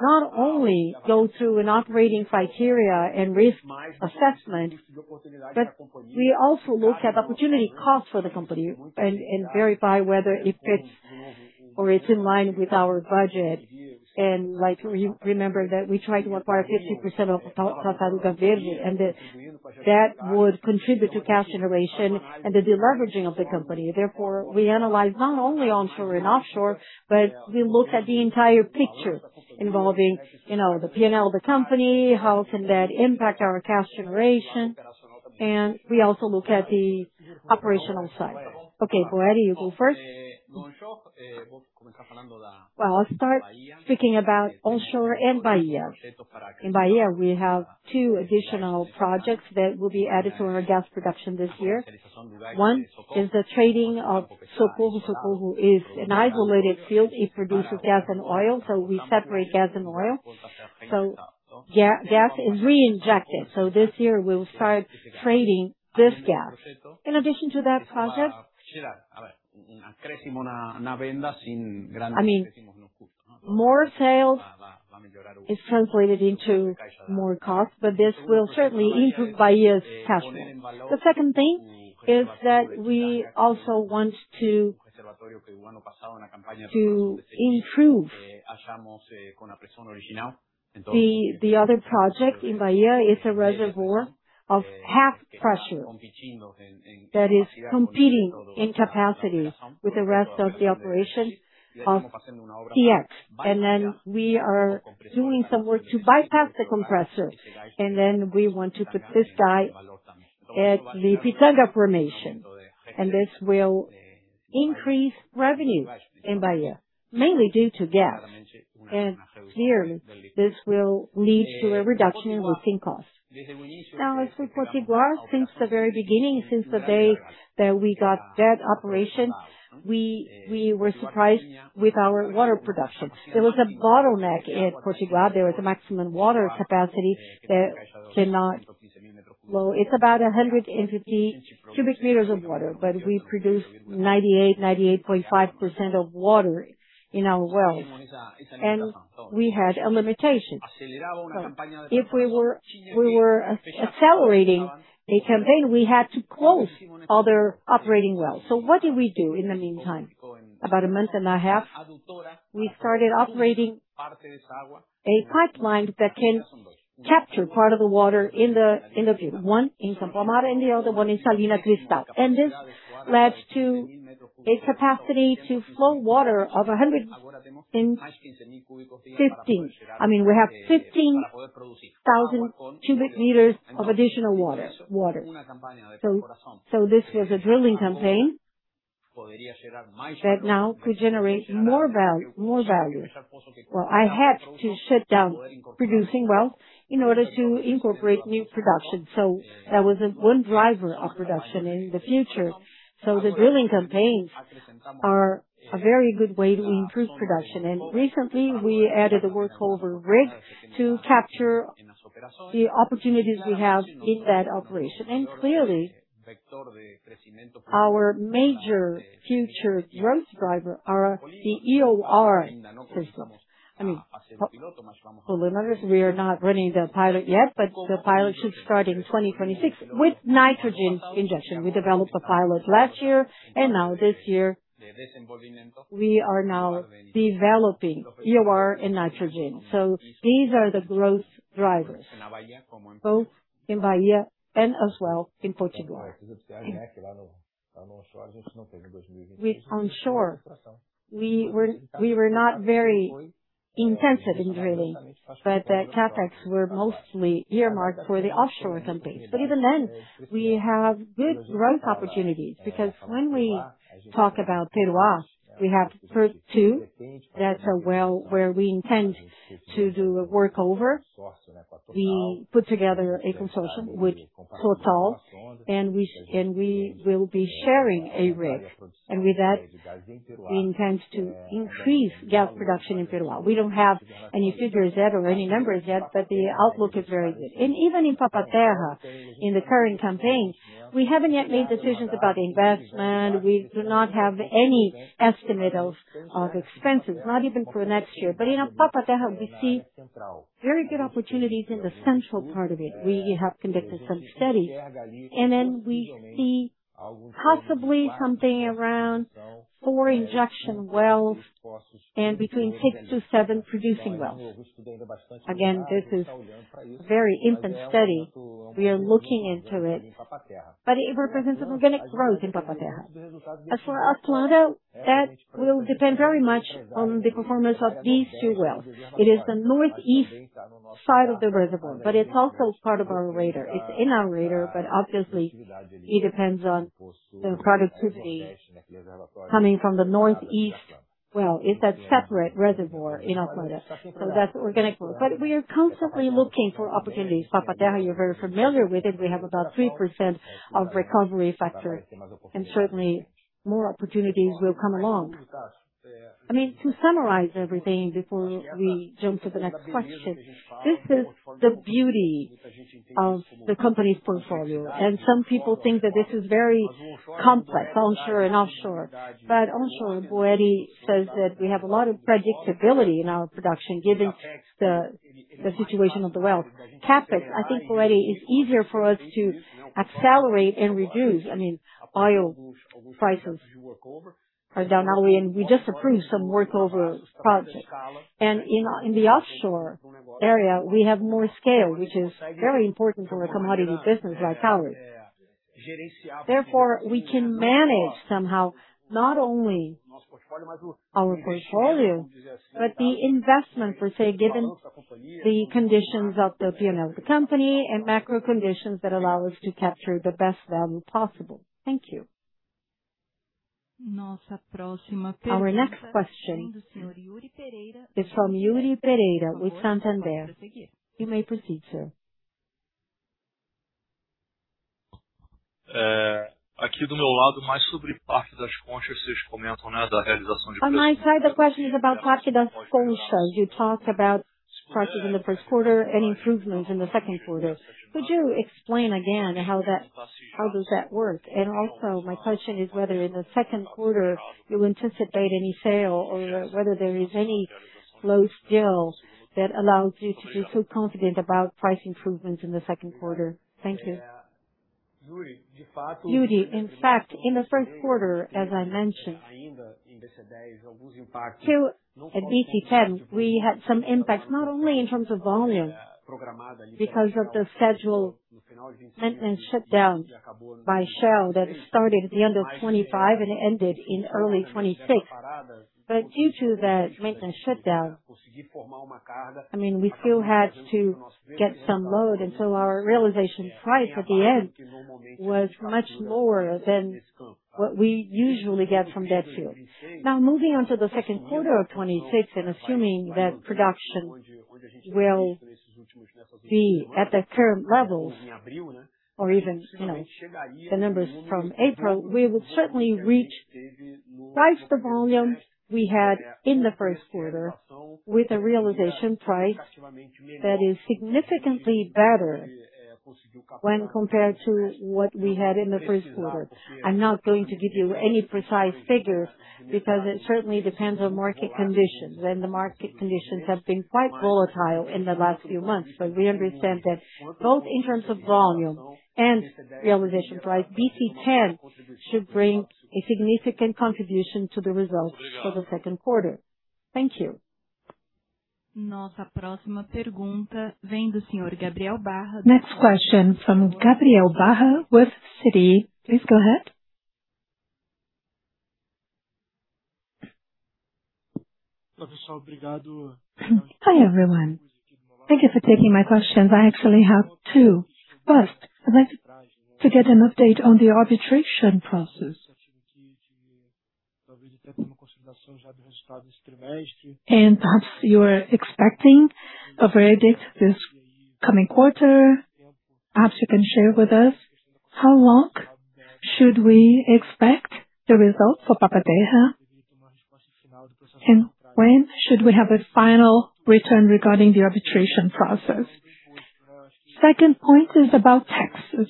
not only go through an operating criteria and risk assessment, but we also look at opportunity costs for the company and verify whether it fits or it's in line with our budget. Like remember that we tried to acquire 50% of Tartaruga Verde, and that would contribute to cash generation and the de-leveraging of the company. Therefore, we analyze not only onshore and offshore, but we look at the entire picture involving, you know, the P&L of the company, how can that impact our cash generation. We also look at the operational side. Okay, Boeri, you go first. Well, I'll start speaking about onshore and Bahia. In Bahia, we have two additional projects that will be added to our gas production this year. One is the trading of Socorro. Socorro is an isolated field. It produces gas and oil, so we separate gas and oil. Gas is reinjected. This year we'll start trading this gas. In addition to that project, I mean, more sales is translated into more cost, but this will certainly improve Bahia's cash flow. The second thing is that we also want to improve the other project in Bahia is a reservoir of half pressure that is competing in capacity with the rest of the operation of TX. We are doing some work to bypass the compressor, and then we want to put this guy at the Pitanga formation, and this will increase revenue in Bahia, mainly due to gas. Clearly, this will lead to a reduction in lifting costs. As for Potiguar, since the very beginning, since the day that we got that operation, we were surprised with our water production. There was a bottleneck in Potiguar. There was a maximum water capacity that it's about 150 cubic meters of water, but we produce 98.5% of water in our wells, and we had a limitation. If we were accelerating a campaign, we had to close other operating wells. What did we do in the meantime? About a month and a half, we started operating a pipeline that can capture part of the water in the field, one in Campomar and the other one in Salinas de Sal. This led to a capacity to flow water of 115. I mean, we have 15,000 cubic meters of additional water. This was a drilling campaign that now could generate more value. Well, I had to shut down producing wells in order to incorporate new production. That was one driver of production in the future. The drilling campaigns are a very good way to improve production. Recently we added a workover rig to capture the opportunities we have in that operation. Clearly, our major future growth driver are the EOR system. I mean, well, hold on a minute. We are not running the pilot yet, but the pilot should start in 2026 with nitrogen injection. We developed a pilot last year, and now this year we are now developing EOR and nitrogen. These are the growth drivers, both in Bahia and as well in Potiguar. With onshore, we were not very intensive in drilling, the CapEx were mostly earmarked for the offshore campaigns. Even then, we have good growth opportunities because when we talk about Peroá, we have two where we intend to do a workover. We put together a consortium with TotalEnergies, we will be sharing a rig. With that, we intend to increase gas production in Peroá. We don't have any figures yet or any numbers yet, the outlook is very good. Even in Papa-Terra, in the current campaign, we haven't yet made decisions about the investment. We do not have any estimate of expenses, not even for next year. In Papa-Terra, we see very good opportunities in the central part of it. We have conducted some studies, we see possibly something around four injection wells and between six to seven producing wells. Again, this is very infant study. We are looking into it, but it represents an organic growth in Papa-Terra. As for Atlanta, that will depend very much on the performance of these two wells. It is the northeast side of the reservoir, but it's also part of our radar. It's in our radar, but obviously it depends on the productivity coming from the northeast well. It's a separate reservoir in Atlanta, that's organic growth. We are constantly looking for opportunities. Papa-Terra, you're very familiar with it. We have about 3% of recovery factor, certainly more opportunities will come along. I mean, to summarize everything before we jump to the next question, this is the beauty of the company's portfolio. Some people think that this is very complex, onshore and offshore. Onshore, Boeri says that we have a lot of predictability in our production given the situation of the wells. CapEx, I think already is easier for us to accelerate and reduce. I mean, oil prices are down now, and we just approved some workover projects. In the offshore area, we have more scale, which is very important for a commodity business like ours. We can manage somehow not only our portfolio, but the investment per se, given the conditions of the, you know, the company and macro conditions that allow us to capture the best value possible. Thank you. Our next question is from Yuri Pereira with Santander. You may proceed, sir. On my side, the question is about you talk about prices in the first quarter and improvements in the second quarter. Could you explain again how does that work? Also my question is whether in the second quarter you anticipate any sale or whether there is any load still that allows you to be so confident about price improvements in the second quarter. Thank you. Yuri, in fact, in the first quarter, as I mentioned, to BC-10, we had some impacts, not only in terms of volume because of the scheduled maintenance shutdown by Shell that started at the end of 2025 and ended in early 2026. Due to that maintenance shutdown, I mean, we still had to get some load, our realization price at the end was much lower than what we usually get from that field. Now, moving on to the second quarter of 2026 and assuming that production will be at the current levels or even, you know, the numbers from April, we will certainly reach twice the volume we had in the first quarter with a realization price that is significantly better when compared to what we had in the first quarter. I'm not going to give you any precise figure because it certainly depends on market conditions, and the market conditions have been quite volatile in the last few months. We understand that both in terms of volume and realization price, BC-10 should bring a significant contribution to the results for the second quarter. Thank you. Next question from Gabriel Barra with Citi. Please go ahead. Hi, everyone. Thank you for taking my questions. I actually have two. First, I'd like to get an update on the arbitration process. Perhaps you're expecting a verdict this coming quarter. Perhaps you can share with us how long should we expect the results for Papa-Terra, and when should we have a final return regarding the arbitration process? Second point is about taxes.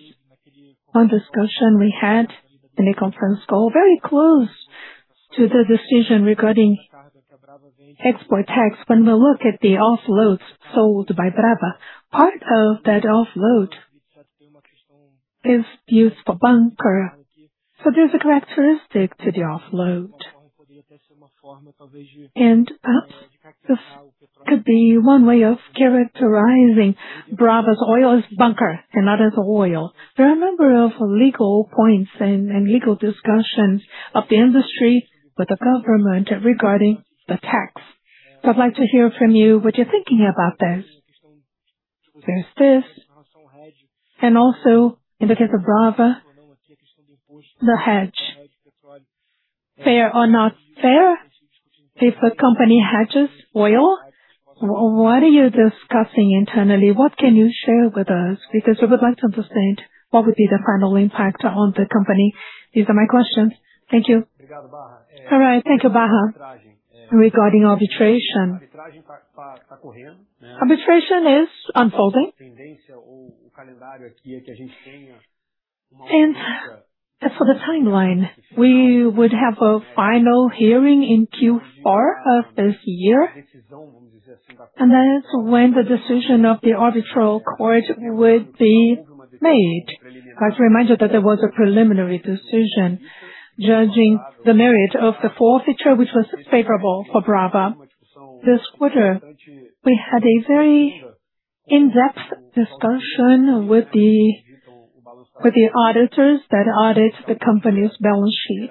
One discussion we had in a conference call very close to the decision regarding export tax. When we look at the offloads sold by Brava, part of that offload is used for bunker. There's a characteristic to the offload, and perhaps this could be one way of characterizing Brava's oil as bunker and not as oil. There are a number of legal points and legal discussions of the industry with the government regarding the tax. I'd like to hear from you what you're thinking about this. There's this and also in the case of Brava, the hedge. Fair or not fair if a company hedges oil? What are you discussing internally? What can you share with us? Because we would like to understand what would be the final impact on the company. These are my questions. Thank you. All right. Thank you, Barra. Regarding arbitration. Arbitration is unfolding. As for the timeline, we would have a final hearing in Q4 of this year, and that is when the decision of the arbitral court would be made. I was reminded that there was a preliminary decision judging the merit of the forfeiture, which was favorable for Brava. This quarter, we had a very in-depth discussion with the auditors that audit the company's balance sheet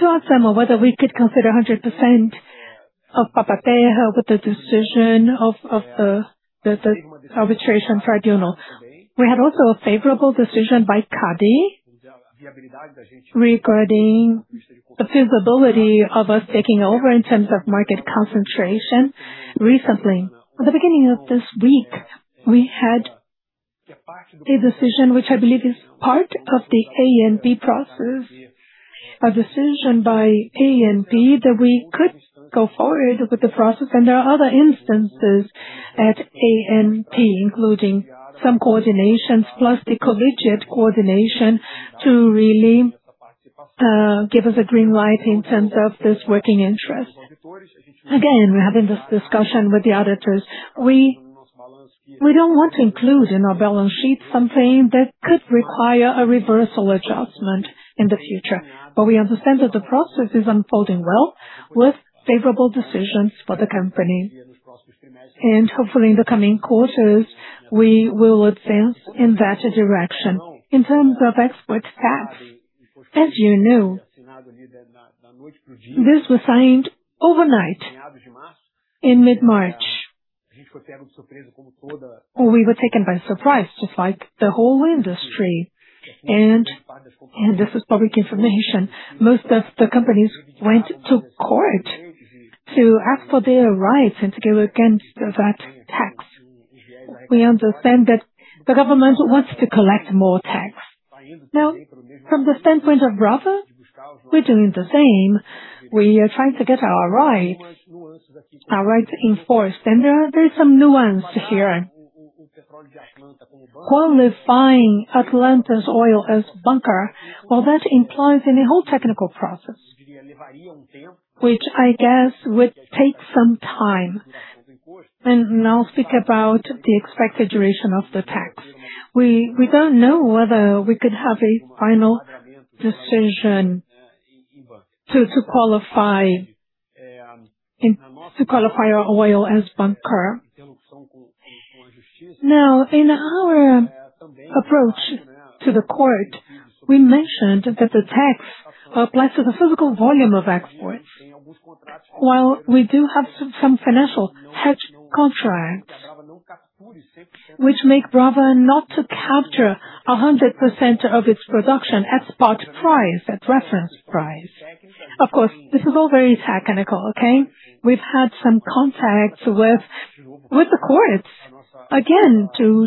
to ask them whether we could consider 100% of Papa-Terra with the decision of the arbitration tribunal. We had also a favorable decision by CADE regarding the feasibility of us taking over in terms of market concentration recently. At the beginning of this week, we had a decision which I believe is part of the ANP process, a decision by ANP that we could go forward with the process. There are other instances at ANP, including some coordinations plus the collegiate coordination to really give us a green light in terms of this working interest. Again, we're having this discussion with the auditors. We don't want to include in our balance sheet something that could require a reversal adjustment in the future, but we understand that the process is unfolding well with favorable decisions for the company. Hopefully in the coming quarters, we will advance in that direction. In terms of export tax, as you know, this was signed overnight in mid-March. We were taken by surprise, just like the whole industry. This is public information. Most of the companies went to court to ask for their rights and to go against that tax. We understand that the government wants to collect more tax. From the standpoint of Brava, we're doing the same. We are trying to get our rights enforced. There are some nuance here. Qualifying Atlanta's oil as bunker, well, that implies in a whole technical process, which I guess would take some time. Now speak about the expected duration of the tax. We don't know whether we could have a final decision to qualify our oil as bunker. Now, in our approach to the court, we mentioned that the tax applies to the physical volume of export. While we do have some financial hedge contracts which make Brava not to capture 100% of its production at spot price, at reference price. Of course, this is all very technical, okay? We've had some contacts with the courts, again, to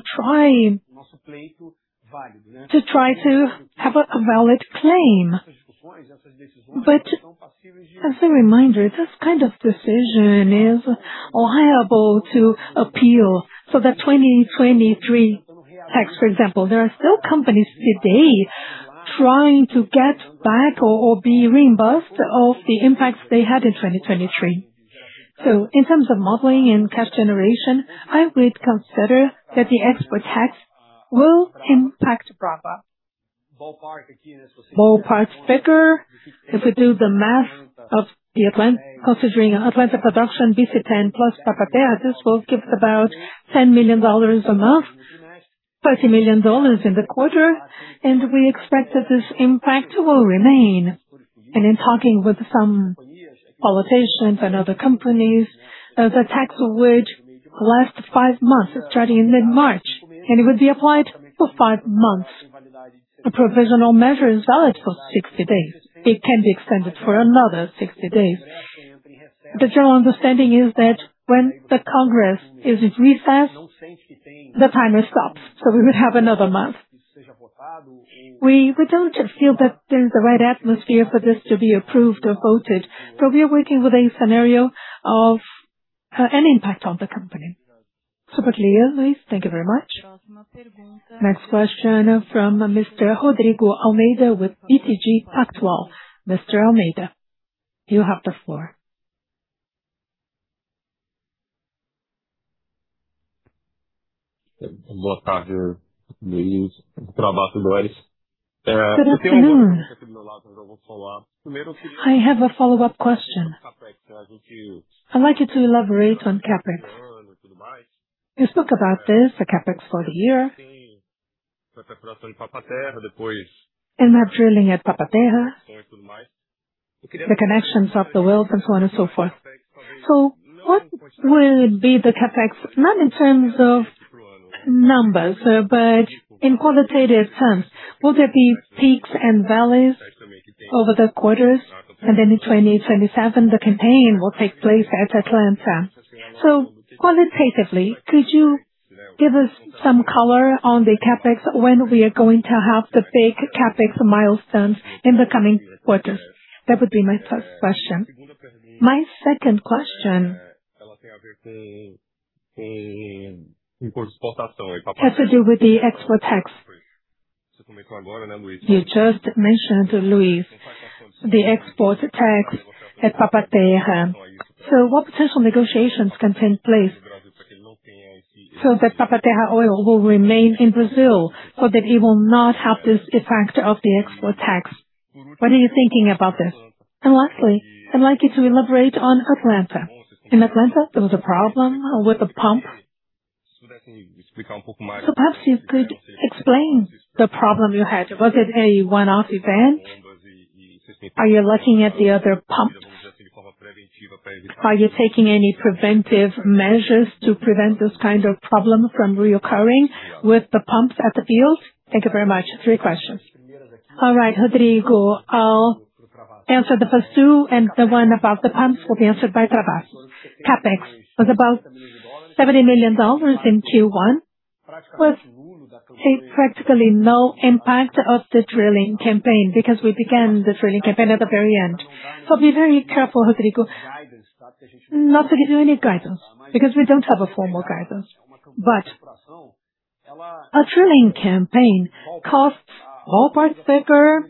try to have a valid claim. As a reminder, this kind of decision is liable to appeal for the 2023 tax, for example. There are still companies today trying to get back or be reimbursed of the impacts they had in 2023. In terms of modeling and cash generation, I would consider that the export tax will impact Brava. Ballpark figure, if we do the math considering Atlanta production, BC-10 plus Papa-Terra, this will give about $10 million a month, $30 million in the quarter. We expect that this impact will remain. In talking with some politicians and other companies, the tax would last five months starting in mid-March, and it would be applied for five months. The provisional measure is valid for 60 days. It can be extended for another 60 days. The general understanding is that when the Congress is in recess, the timer stops, so we would have another month. We don't feel that there's the right atmosphere for this to be approved or voted, so we are working with a scenario of an impact on the company. Super clear, Luiz. Thank you very much. Next question from Mr. Rodrigo Almeida with BTG Pactual. Mr. Almeida, you have the floor. Good morning. I have a follow-up question. I'd like you to elaborate on CapEx. You spoke about this, the CapEx for the year. That drilling at Papa-Terra, the connections of the wells and so on and so forth. What will be the CapEx? Not in terms of numbers, but in qualitative terms. Will there be peaks and valleys over the quarters? In 2027, the campaign will take place at Atlanta. Qualitatively, could you give us some color on the CapEx when we are going to have the big CapEx milestones in the coming quarters? That would be my first question. My second question has to do with the export tax. You just mentioned, Luiz, the export tax at Papa-Terra. What potential negotiations can take place so that Papa-Terra oil will remain in Brazil, so that it will not have this effect of the export tax? What are you thinking about this? Lastly, I'd like you to elaborate on Atlanta. In Atlanta, there was a problem with the pump. Perhaps you could explain the problem you had. Was it a one-off event? Are you looking at the other pumps? Are you taking any preventive measures to prevent this kind of problem from reoccurring with the pumps at the field? Thank you very much. Three questions. All right, Rodrigo, I'll answer the first two, and the one about the pumps will be answered by Travassos. CapEx was about $70 million in Q1 with, say, practically no impact of the drilling campaign because we began the drilling campaign at the very end. Be very careful, Rodrigo, not to give you any guidance because we don't have a formal guidance. A drilling campaign costs ballpark figure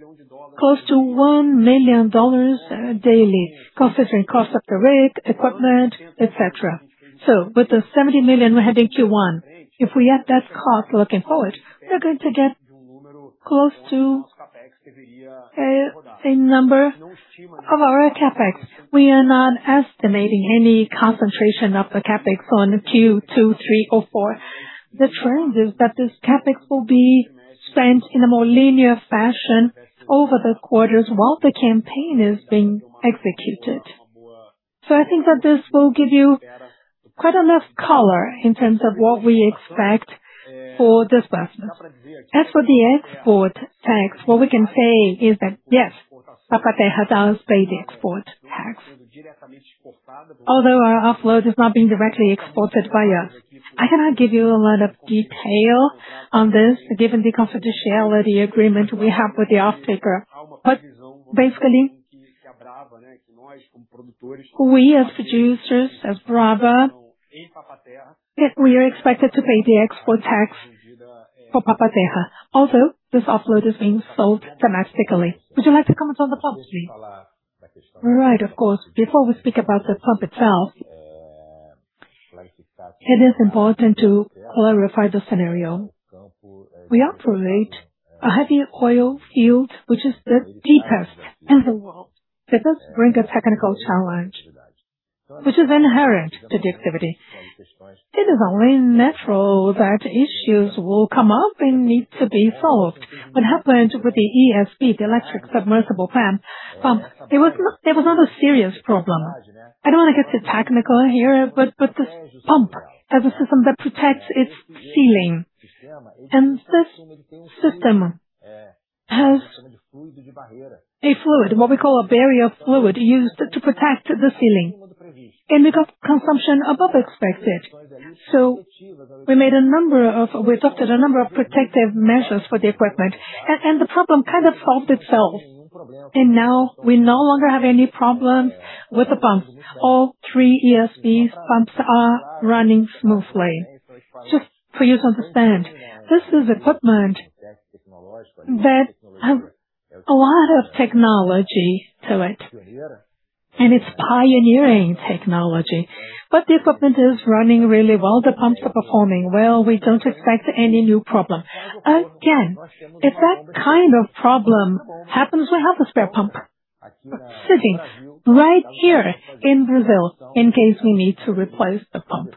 close to $1 million daily, considering cost of the rig, equipment, et cetera. With the $70 million we had in Q1, if we add that cost looking forward, we're going to get close to a number of our CapEx. We are not estimating any concentration of the CapEx on Q2, three or four. The trend is that this CapEx will be spent in a more linear fashion over the quarters while the campaign is being executed. I think that this will give you quite enough color in terms of what we expect for this business. As for the export tax, what we can say is that yes, Papa-Terra does pay the export tax. Although our offload is not being directly exported via. I cannot give you a lot of detail on this, given the confidentiality agreement we have with the offtaker. Basically, we as producers, as Brava, yes, we are expected to pay the export tax for Papa-Terra. Although this offload is being sold domestically. Would you like to comment on the pump stream? Right. Of course. Before we speak about the pump itself, it is important to clarify the scenario. We operate a heavy oil field which is the deepest in the world. This does bring a technical challenge which is inherent to the activity. It is only natural that issues will come up and need to be solved. What happened with the ESP, the electric submersible pump, it was not a serious problem. I don't wanna get too technical here, but this pump has a system that protects its sealing. This system has a fluid, what we call a barrier fluid, used to protect the sealing. We got consumption above expected. We adopted a number of protective measures for the equipment. The problem kind of solved itself. Now we no longer have any problems with the pump. All three ESP pumps are running smoothly. Just for you to understand, this is equipment that have a lot of technology to it, and it's pioneering technology. The equipment is running really well, the pumps are performing well. We don't expect any new problem. Again, if that kind of problem happens, we have a spare pump sitting right here in Brazil in case we need to replace the pump.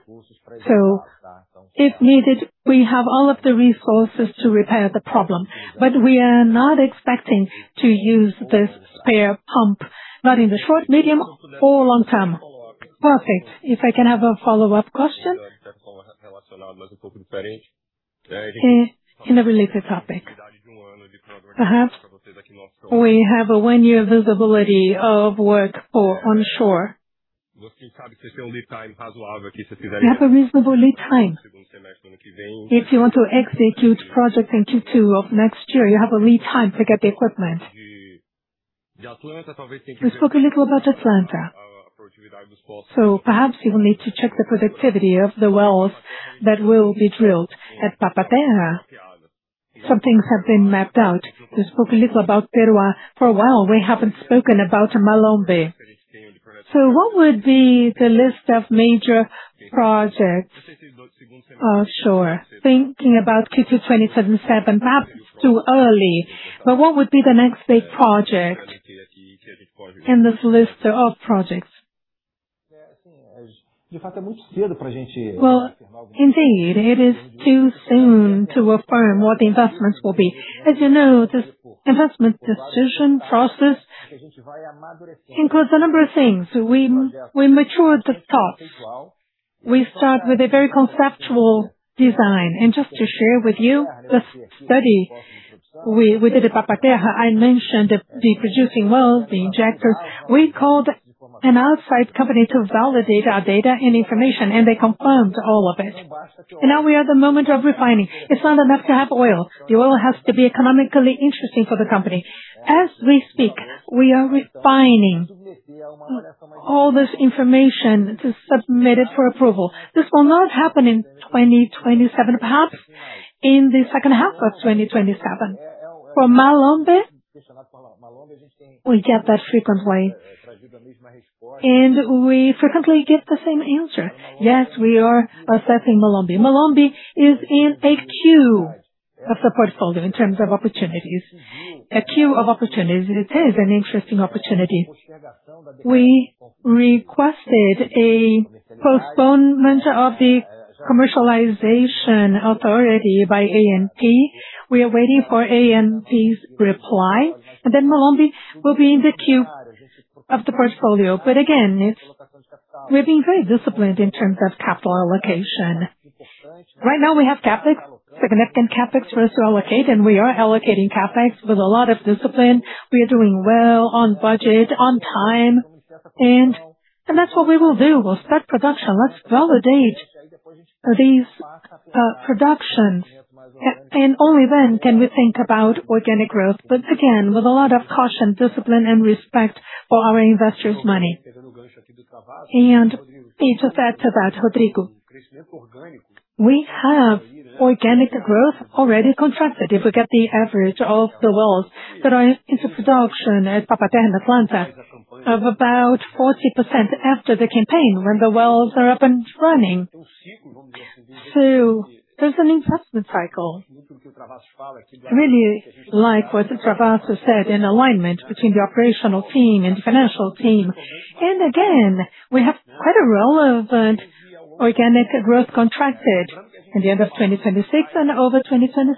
If needed, we have all of the resources to repair the problem. We are not expecting to use this spare pump, not in the short, medium or long term. Perfect. If I can have a follow-up question. In a related topic. Perhaps we have a one-year visibility of work for onshore. You have a reasonable lead time. If you want to execute projects in Q2 of next year, you have a lead time to get the equipment. We spoke a little about Atlanta, so perhaps you will need to check the productivity of the wells that will be drilled at Papa-Terra. Some things have been mapped out. We spoke a little about Terua. For a while, we haven't spoken about Malombe. What would be the list of major projects offshore? Thinking about Q2 2027, perhaps too early, what would be the next big project in this list of projects? Indeed, it is too soon to affirm what the investments will be. As you know, this investment decision process includes a number of things. We mature the thought. We start with a very conceptual design. Just to share with you the study we did at Papa-Terra, I mentioned the producing wells, the injectors. We called an outside company to validate our data and information, and they confirmed all of it. Now we are at the moment of refining. It's not enough to have oil. The oil has to be economically interesting for the company. As we speak, we are refining all this information to submit it for approval. This will not happen in 2027, perhaps in the second half of 2027. For Malombe, we get that frequently, and we frequently give the same answer. Yes, we are assessing Malombe. Malombe is in a queue of the portfolio in terms of opportunities. A queue of opportunities. It is an interesting opportunity. We requested a postponement of the commercialization authority by ANP. We are waiting for ANP's reply. Then Malombe will be in the queue of the portfolio. Again, we're being very disciplined in terms of capital allocation. Right now, we have CapEx, significant CapEx for us to allocate. We are allocating CapEx with a lot of discipline. We are doing well on budget, on time, and that's what we will do. We'll start production. Let's validate these productions. Only then can we think about organic growth. Again, with a lot of caution, discipline and respect for our investors' money. To add to that, Rodrigo, we have organic growth already contracted. If we get the average of the wells that are into production at Papa-Terra, Atlanta. Of about 40% after the campaign when the wells are up and running. There's an investment cycle. Really like what Travassos said, in alignment between the operational team and the financial team. Again, we have quite a relevant organic growth contracted in the end of 2026 and over 2027.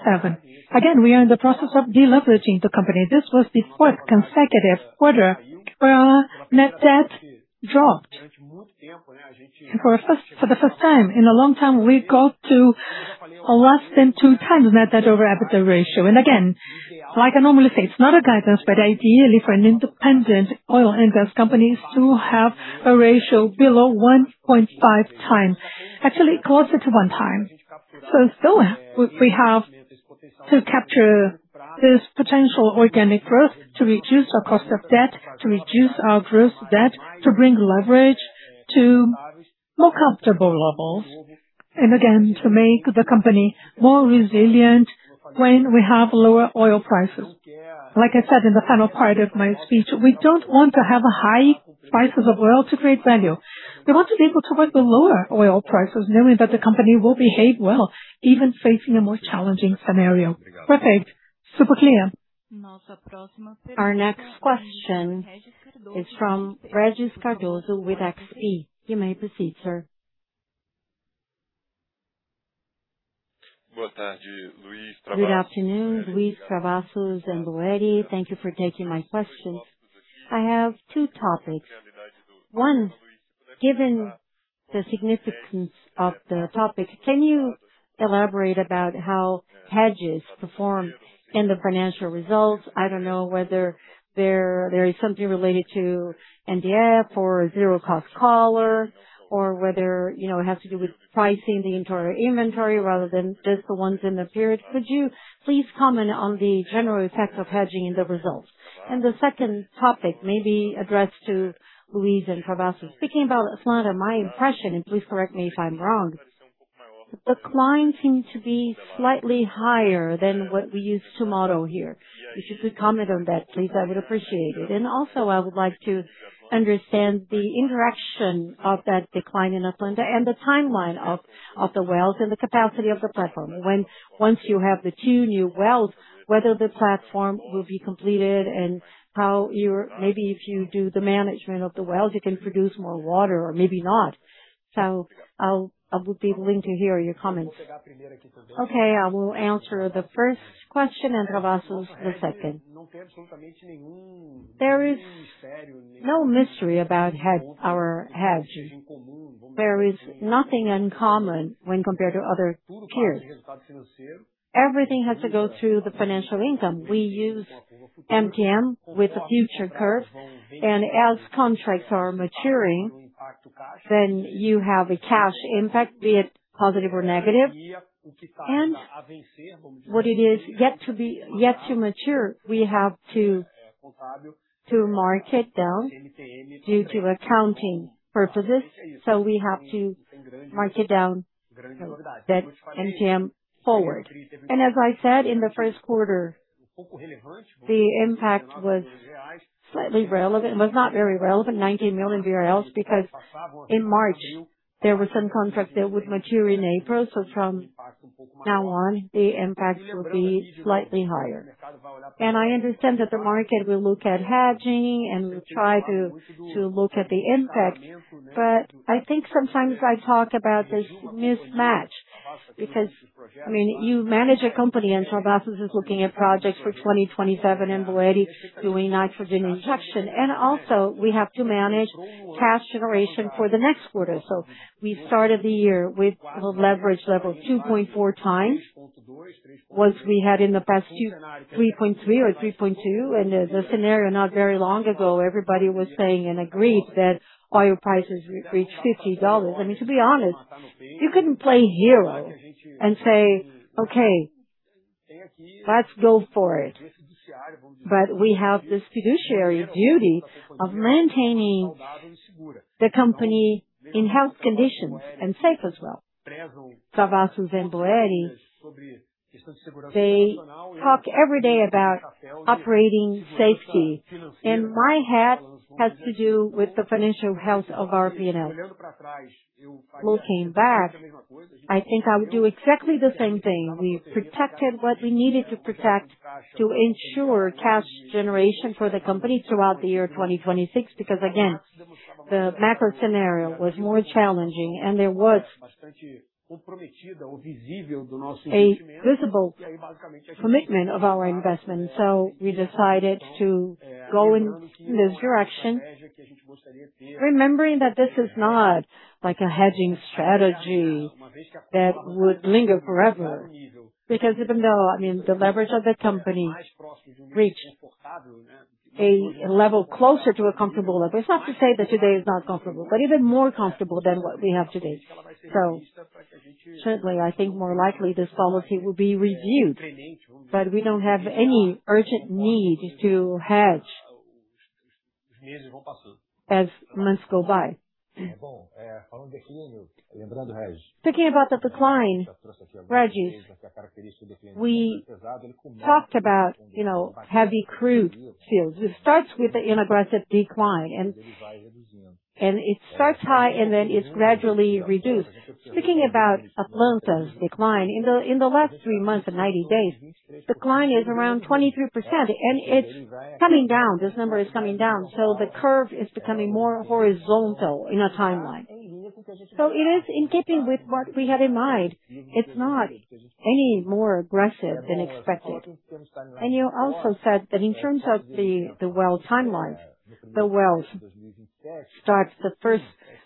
Again, we are in the process of de-leveraging the company. This was the fourth consecutive quarter where our net debt dropped. For the first time in a long time, we got to less than two times net debt over EBITDA ratio. Again, like I normally say, it's not a guidance, but ideally for an independent oil and gas company is to have a ratio below 1.5 times. Actually closer to one time. we have to capture this potential organic growth to reduce our cost of debt, to reduce our gross debt, to bring leverage to more comfortable levels. again, to make the company more resilient when we have lower oil prices. Like I said in the final part of my speech, we don't want to have high prices of oil to create value. We want to be able to work with lower oil prices, knowing that the company will behave well, even facing a more challenging scenario. Perfect. Super clear. Our next question is from Regis Cardoso with XP. You may proceed, sir. Good afternoon, Luiz, Travassos and Boeri. Thank you for taking my questions. I have two topics. One, given the significance of the topic, can you elaborate about how hedges perform in the financial results? I don't know whether there is something related to NDF or zero cost collar or whether, you know, it has to do with pricing the entire inventory rather than just the ones in the period. Could you please comment on the general effect of hedging in the results? The second topic may be addressed to Luiz and Travassos. Speaking about Atlanta, my impression, and please correct me if I'm wrong, the decline seemed to be slightly higher than what we used to model here. If you could comment on that, please, I would appreciate it. Also, I would like to understand the interaction of that decline in Atlanta and the timeline of the wells and the capacity of the platform. Once you have the two new wells, whether the platform will be completed and maybe if you do the management of the wells, you can produce more water or maybe not. I would be willing to hear your comments. I will answer the first question, and Travassos the second. There is no mystery about our hedges. There is nothing uncommon when compared to other peers. Everything has to go through the financial income. We use MTM with the future curve, as contracts are maturing, you have a cash impact, be it positive or negative. What it is yet to mature, we have to mark it down due to accounting purposes. We have to mark it down that MTM forward. As I said in the first quarter, the impact was slightly relevant. It was not very relevant, 90 million BRL, because in March there were some contracts that would mature in April. From now on, the impact will be slightly higher. I understand that the market will look at hedging, and will try to look at the impact. I think sometimes I talk about this mismatch because, I mean, you manage a company, Travassos is looking at projects for 2027, and Boeri doing nitrogen injection. Also we have to manage cash generation for the next quarter. We started the year with a leverage level 2.4 times. Once we had in the past few, 3.3 or 3.2, and the scenario not very long ago, everybody was saying and agreed that oil prices re-reached $50. I mean, to be honest, you couldn't play hero and say, "Okay, let's go for it." We have this fiduciary duty of maintaining the company in health conditions and safe as well. Travassos and Boeri, they talk every day about operating safety, and my hat has to do with the financial health of our P&L. Looking back, I think I would do exactly the same thing. We protected what we needed to protect to ensure cash generation for the company throughout the year 2026, because again, the macro scenario was more challenging and there was a visible commitment of our investment. We decided to go in this direction, remembering that this is not like a hedging strategy that would linger forever. Because even though, I mean, the leverage of the company reached a level closer to a comfortable level. It's not to say that today is not comfortable, but even more comfortable than what we have today. Certainly, I think more likely this policy will be reviewed, but we don't have any urgent need to hedge as months go by. Speaking about the decline, Regis, we talked about, you know, heavy crude fields. It starts with an aggressive decline and it starts high, and then it's gradually reduced. Speaking about Atlanta's decline, in the, in the last three months or 90 days, decline is around 23%, and it's coming down. This number is coming down. The curve is becoming more horizontal in a timeline. It is in keeping with what we had in mind. It's not any more aggressive than expected. You also said that in terms of the well timeline, the wells starts,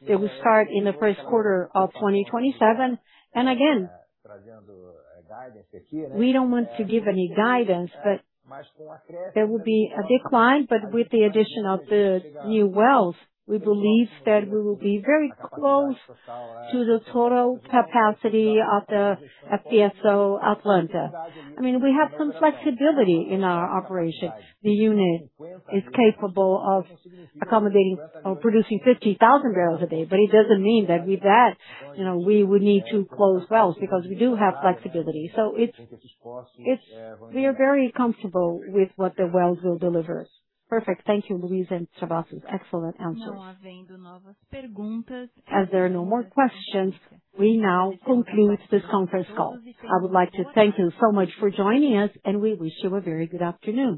it will start in the first quarter of 2027. Again, we don't want to give any guidance, but there will be a decline. With the addition of the new wells, we believe that we will be very close to the total capacity of the FPSO Atlanta. I mean, we have some flexibility in our operation. The unit is capable of accommodating or producing 50,000 barrels a day. It doesn't mean that with that, you know, we would need to close wells because we do have flexibility. It's we are very comfortable with what the wells will deliver. Perfect. Thank you, Luiz and Travassos. Excellent answers. As there are no more questions, we now conclude this conference call. I would like to thank you so much for joining us, and we wish you a very good afternoon.